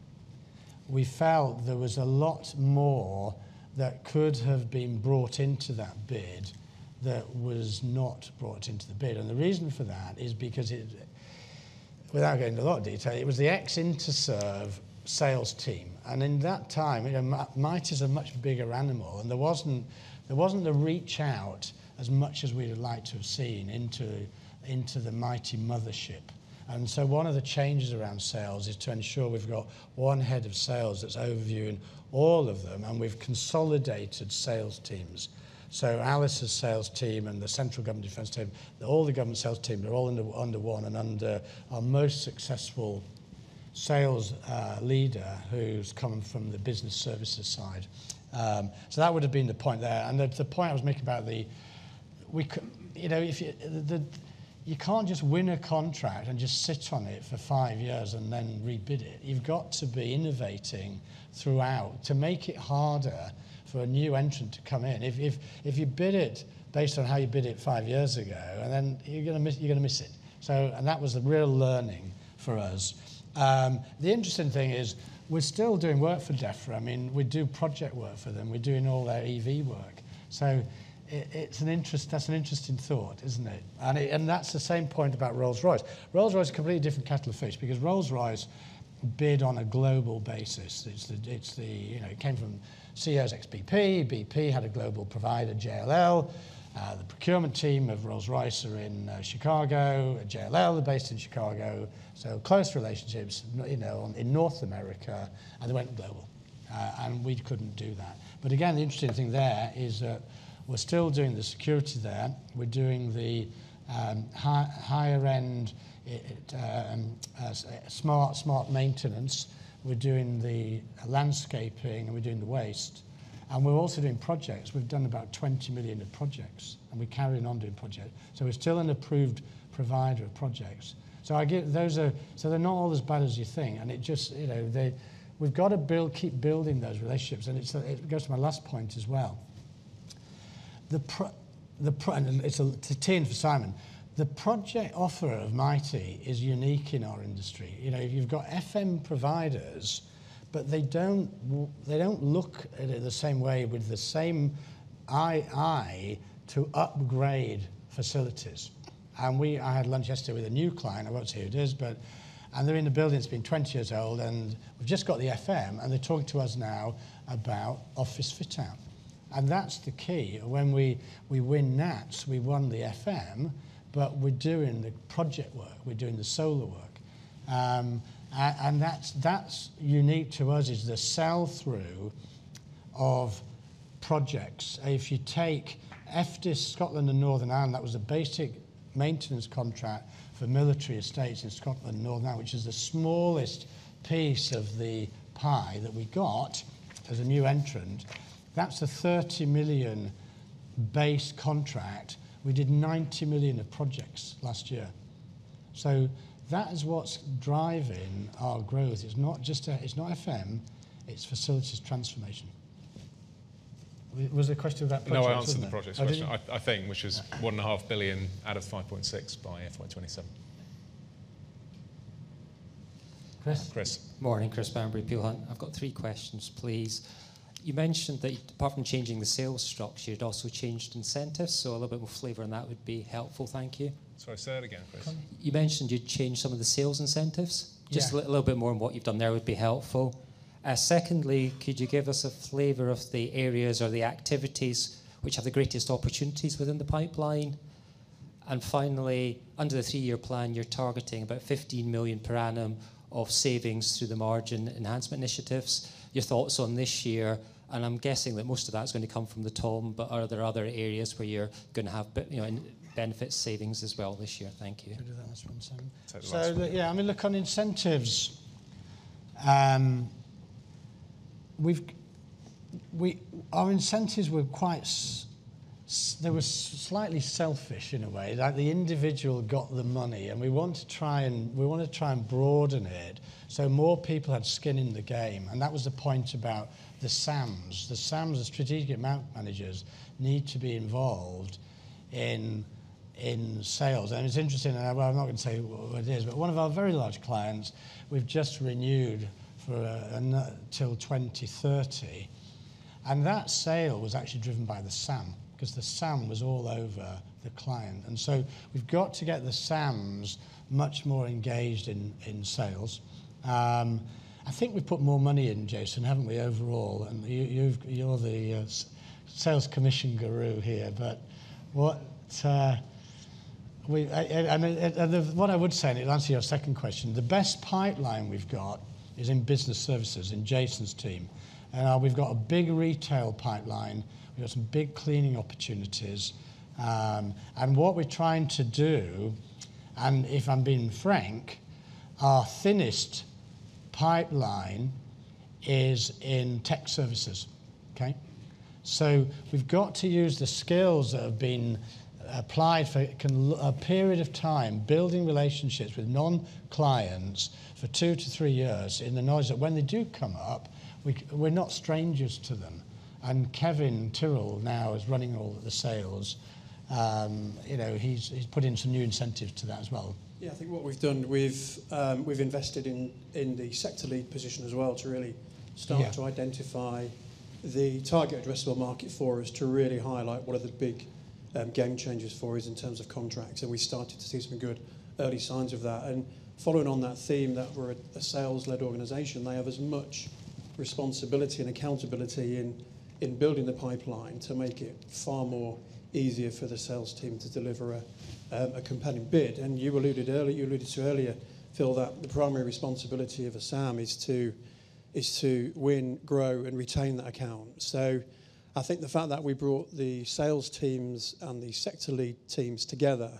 we felt there was a lot more that could have been brought into that bid that was not brought into the bid. And the reason for that is because, without going into a lot of detail, it was the ex-Interserve sales team. And in that time, Mitie is a much bigger animal. And there wasn't a reach out as much as we'd have liked to have seen into the Mitie mothership. And so one of the changes around sales is to ensure we've got one head of sales that's overviewing all of them. And we've consolidated sales teams. So Alice's sales team and the Central Government Defense team, all the government sales team, they're all under one and under our most successful sales leader who's coming from the Business Services side. So that would have been the point there. And the point I was making about that you can't just win a contract and just sit on it for five years and then rebid it. You've got to be innovating throughout to make it harder for a new entrant to come in. If you bid it based on how you bid it five years ago, and then you're going to miss it. And that was a real learning for us. The interesting thing is we're still doing work for Defra. I mean, we do project work for them. We're doing all their EV work. So that's an interesting thought, isn't it? And that's the same point about Rolls-Royce. Rolls-Royce is a completely different kettle of fish because Rolls-Royce bid on a global basis. It came from CEOs, ex-BP. BP had a global provider, JLL. The procurement team of Rolls-Royce are in Chicago. JLL are based in Chicago. So close relationships in North America. And they went global. And we couldn't do that. But again, the interesting thing there is that we're still doing the security there. We're doing the higher-end smart maintenance. We're doing the landscaping, and we're doing the waste. And we're also doing projects. We've done about 20 million of projects. And we're carrying on doing projects. So we're still an approved provider of projects. So those are. They're not all as bad as you think. And we've got to keep building those relationships. And it goes to my last point as well. And it's a tee-in for Simon. The project offer of Mitie is unique in our industry. You've got FM providers, but they don't look at it the same way with the same eye to upgrade facilities, and I had lunch yesterday with a new client. I won't say who it is, but they're in a building that's been 20 years old, and we've just got the FM, and they're talking to us now about office fit-out, and that's the key. When we win NATS, we won the FM, but we're doing the project work. We're doing the solar work, and that's unique to us is the sell-through of projects. If you take FDIS, Scotland, and Northern Ireland, that was a basic maintenance contract for military estates in Scotland and Northern Ireland, which is the smallest piece of the pie that we got as a new entrant. That's a 30 million base contract. We did 90 million of projects last year. So that is what's driving our growth. It's not FM. It's facilities transformation. Was there a question about project fit-out? No, I answered the project fit-out, I think, which is 1.5 billion out of 5.6 billion by FY27. Chris? Morning. Chris Bamberry, Peel Hunt. I've got three questions, please. You mentioned that apart from changing the sales structure, you'd also changed incentives. So a little bit more flavor on that would be helpful. Thank you. Sorry. Say that again, Chris. You mentioned you'd changed some of the sales incentives. Just a little bit more on what you've done there would be helpful. Secondly, could you give us a flavor of the areas or the activities which have the greatest opportunities within the pipeline? And finally, under the three-year plan, you're targeting about 15 million per annum of savings through the margin enhancement initiatives. Your thoughts on this year? And I'm guessing that most of that's going to come from the TOM, but are there other areas where you're going to have benefit savings as well this year? Thank you. Could you do that, Mr. Bentley? Yeah. I mean, look, on incentives, our incentives were quite they were slightly selfish in a way. The individual got the money. And we want to try and we want to try and broaden it so more people had skin in the game. And that was the point about the SAMs. The SAMs, the strategic account managers, need to be involved in sales. And it's interesting. And I'm not going to say what it is, but one of our very large clients, we've just renewed till 2030. And that sale was actually driven by the SAM because the SAM was all over the client. And so we've got to get the SAMs much more engaged in sales. I think we've put more money in, Jason, haven't we, overall? And you're the sales commission guru here. And what I would say, and it answers your second question, the best pipeline we've got is in Business Services, in Jason's team. And we've got a big retail pipeline. We've got some big cleaning opportunities. And what we're trying to do, and if I'm being frank, our thinnest pipeline is in Tech Services. Okay? So we've got to use the skills that have been applied for a period of time, building relationships with non-clients for two to three years in the knowledge that when they do come up, we're not strangers to them. And Kevin Tyrrell now is running all the sales. He's put in some new incentives to that as well. Yeah. I think what we've done, we've invested in the sector lead position as well to really start to identify the target addressable market for us to really highlight what are the big game changers for us in terms of contracts. And we started to see some good early signs of that. And following on that theme, that we're a sales-led organization, they have as much responsibility and accountability in building the pipeline to make it far more easier for the sales team to deliver a compelling bid. And you alluded to earlier, Phil, that the primary responsibility of a SAM is to win, grow, and retain that account. So I think the fact that we brought the sales teams and the sector lead teams together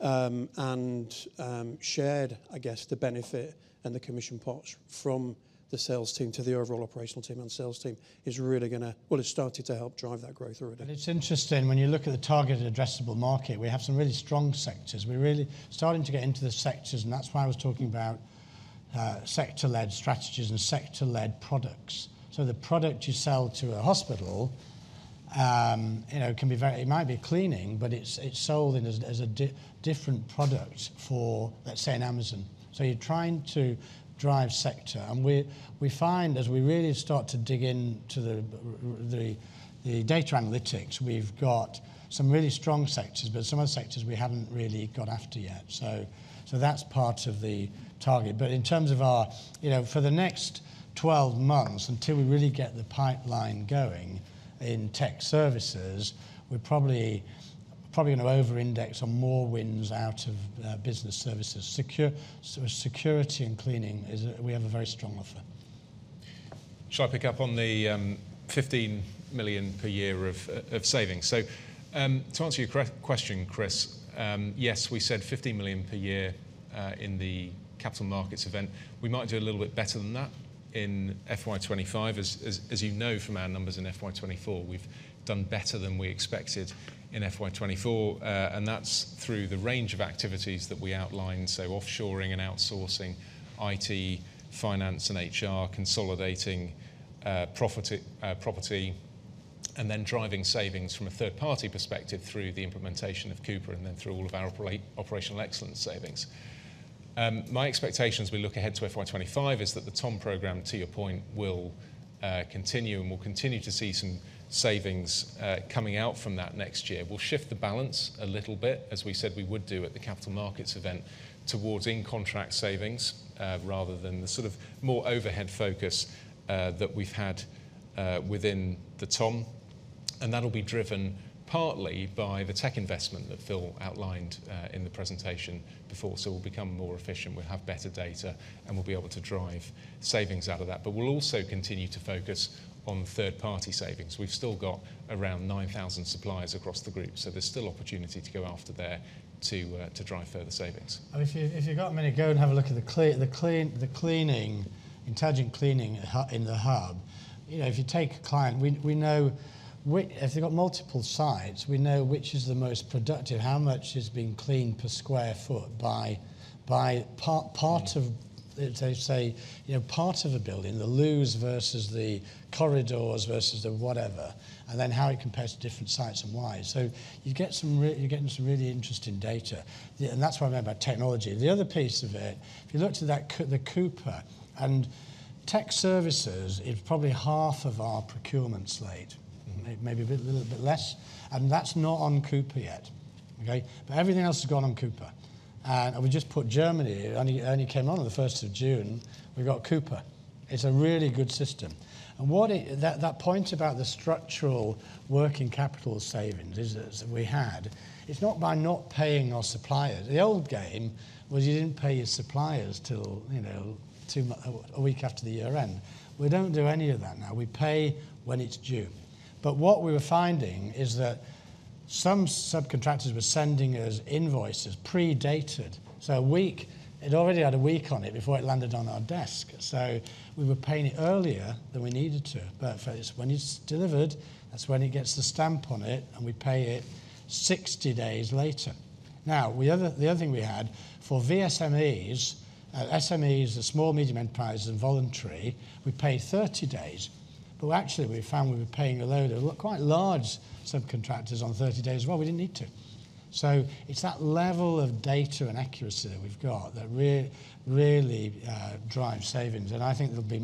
and shared, I guess, the benefit and the commission pots from the sales team to the overall operational team and sales team is really going to, well, it's started to help drive that growth already. And it's interesting when you look at the targeted addressable market. We have some really strong sectors. We're really starting to get into the sectors. And that's why I was talking about sector-led strategies and sector-led products. So the product you sell to a hospital can be very different. It might be a cleaning, but it's sold as a different product for, let's say, an Amazon. So you're trying to drive sector. And we find, as we really start to dig into the data analytics, we've got some really strong sectors, but some of the sectors we haven't really gone after yet. So that's part of the target. But in terms of our focus for the next 12 months, until we really get the pipeline going in Tech Services, we're probably going to over-index on more wins out of Business Services. Security and cleaning, we have a very strong offer. Shall I pick up on the 15 million per year of savings? So to answer your question, Chris, yes, we said 15 million per year in the capital markets event. We might do a little bit better than that in FY25. As you know from our numbers in FY24, we've done better than we expected in FY24. And that's through the range of activities that we outlined. Offshoring and outsourcing, IT, finance and HR, consolidating property, and then driving savings from a third-party perspective through the implementation of Coupa and then through all of our operational excellence savings. My expectations as we look ahead to FY25 is that the TOM program, to your point, will continue and we'll continue to see some savings coming out from that next year. We'll shift the balance a little bit, as we said we would do at the capital markets event, towards in-contract savings rather than the sort of more overhead focus that we've had within the TOM. And that'll be driven partly by the tech investment that Phil outlined in the presentation before. We'll become more efficient. We'll have better data, and we'll be able to drive savings out of that. But we'll also continue to focus on third-party savings. We've still got around 9,000 suppliers across the group. So there's still opportunity to go after there to drive further savings. If you've got a minute, go and have a look at the cleaning, intelligent cleaning in the hub. If you take a client, we know if they've got multiple sites, we know which is the most productive, how much has been cleaned per sq ft by part of, let's say, part of a building, the loos versus the corridors versus the whatever, and then how it compares to different sites and why. So you're getting some really interesting data. And that's why I'm talking about technology. The other piece of it, if you look to the Coupa and Tech Services, it's probably half of our procurement slate, maybe a little bit less. And that's not on Coupa yet. Okay? But everything else has gone on Coupa. And we just put it in Germany. It only came on on the 1st of June. We've got Coupa. It's a really good system. And that point about the structural working capital savings we had, it's not by not paying our suppliers. The old game was you didn't pay your suppliers till a week after the year-end. We don't do any of that now. We pay when it's due. But what we were finding is that some subcontractors were sending us invoices predated. So it already had a week on it before it landed on our desk. So we were paying it earlier than we needed to. But when it's delivered, that's when it gets the stamp on it, and we pay it 60 days later. Now, the other thing we had for VSMEs, SMEs, the small, medium enterprises, and voluntary, we pay 30 days. But actually, we found we were paying a load of quite large subcontractors on 30 days as well. We didn't need to. So it's that level of data and accuracy that we've got that really drives savings. And I think there'll be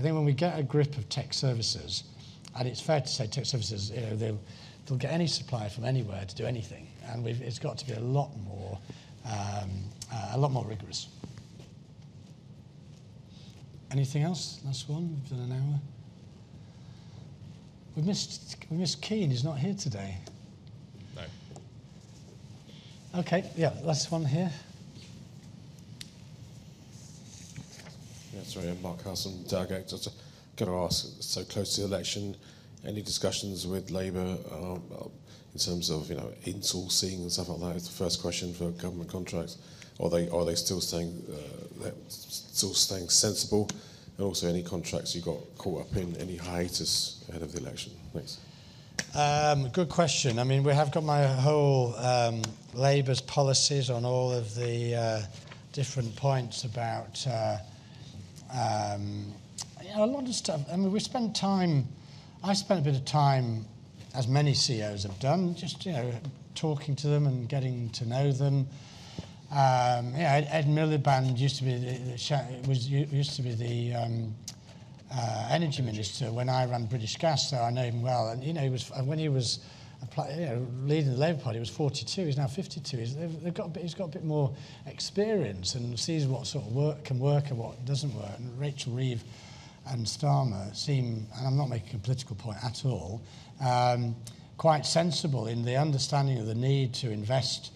when we get a grip of Tech Services, and it's fair to say Tech Services, they'll get any supplier from anywhere to do anything. And it's got to be a lot more rigorous. Anything else? Last one? We've done an hour. We missed Kean. He's not here today. No. Okay. Yeah. Last one here. Yeah. Sorry. I'm Mark Caskey, DAG Exec. I've got to ask. So close to the election, any discussions with Labour in terms of insourcing and stuff like that? It's the first question for government contracts. Are they still staying sensible? And also, any contracts you've got caught up in any hiatus ahead of the election? Thanks. Good question. I mean, we have got my whole Labour's policies on all of the different points about a lot of stuff. I mean, I spent a bit of time, as many CEOs have done, just talking to them and getting to know them. Yeah. Ed Miliband used to be the energy minister when I ran British Gas, so I know him well. And when he was leading the Labour Party, he was 42. He's now 52. He's got a bit more experience and sees what sort of work can work and what doesn't work. And Rachel Reeves and Starmer seem, and I'm not making a political point at all, quite sensible in the understanding of the need to invest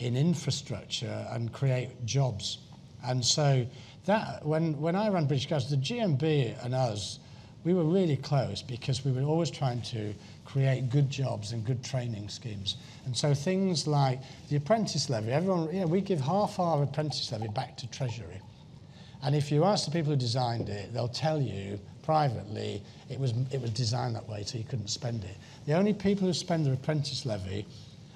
in infrastructure and create jobs. When I ran British Gas, the GMB and us were really close because we were always trying to create good jobs and good training schemes. Things like the apprentice levy, we give half our apprentice levy back to Treasury. If you ask the people who designed it, they'll tell you privately it was designed that way so you couldn't spend it. The only people who spend the apprentice levy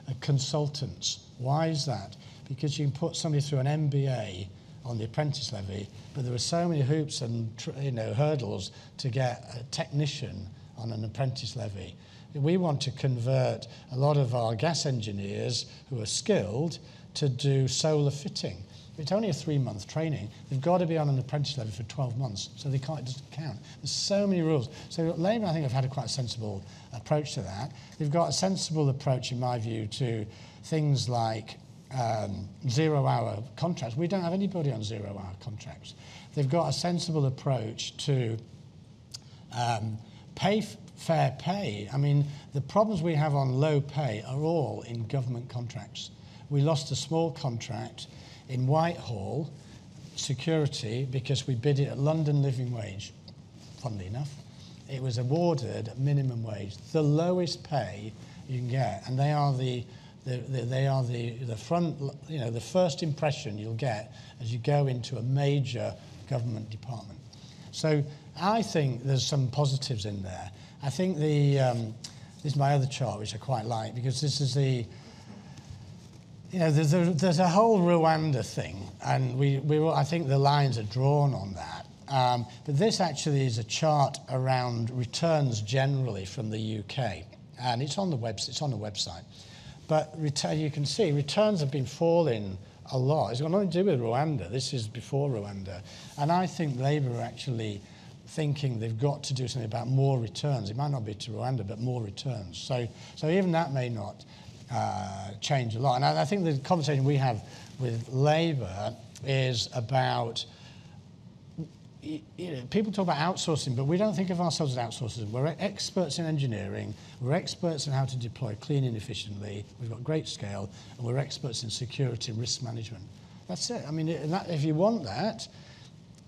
are consultants. Why is that? Because you can put somebody through an MBA on the apprentice levy, but there were so many hoops and hurdles to get a technician on an apprentice levy. We want to convert a lot of our gas engineers who are skilled to do solar fitting. It's only a three-month training. They've got to be on an apprentice levy for 12 months, so they can't just count. There's so many rules. So Labour, I think, have had a quite sensible approach to that. They've got a sensible approach, in my view, to things like zero-hour contracts. We don't have anybody on zero-hour contracts. They've got a sensible approach to pay fair pay. I mean, the problems we have on low pay are all in government contracts. We lost a small contract in Whitehall Security because we bid it at London Living Wage, funnily enough. It was awarded minimum wage, the lowest pay you can get. And they are the front, the first impression you'll get as you go into a major government department. So I think there's some positives in there. I think this is my other chart, which I quite like because this is there's a whole Rwanda thing. And I think the lines are drawn on that. But this actually is a chart around returns generally from the UK. And it's on the website. It's on the website. But you can see returns have been falling a lot. It's got nothing to do with Rwanda. This is before Rwanda. And I think Labour are actually thinking they've got to do something about more returns. It might not be to Rwanda, but more returns. So even that may not change a lot. And I think the conversation we have with Labour is about people talk about outsourcing, but we don't think of ourselves as outsourcers. We're experts in engineering. We're experts in how to deploy cleaning efficiently. We've got great scale. And we're experts in security and risk management. That's it. I mean, if you want that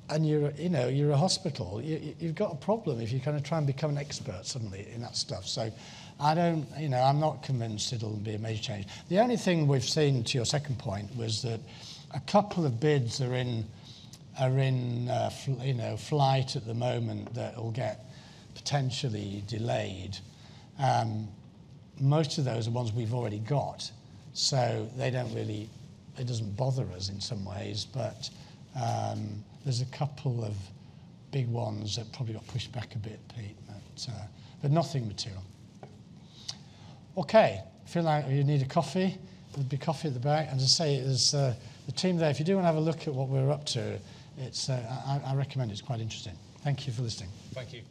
and you're a hospital, you've got a problem if you're going to try and become an expert suddenly in that stuff. So I'm not convinced it'll be a major change. The only thing we've seen, to your second point, was that a couple of bids are in flight at the moment that will get potentially delayed. Most of those are ones we've already got. So it doesn't bother us in some ways. But there's a couple of big ones that probably got pushed back a bit, Pete. But nothing material. Okay. If you need a coffee, there'll be coffee at the back. And just say it's the team there. If you do want to have a look at what we're up to, I recommend it's quite interesting. Thank you for listening. Thank you.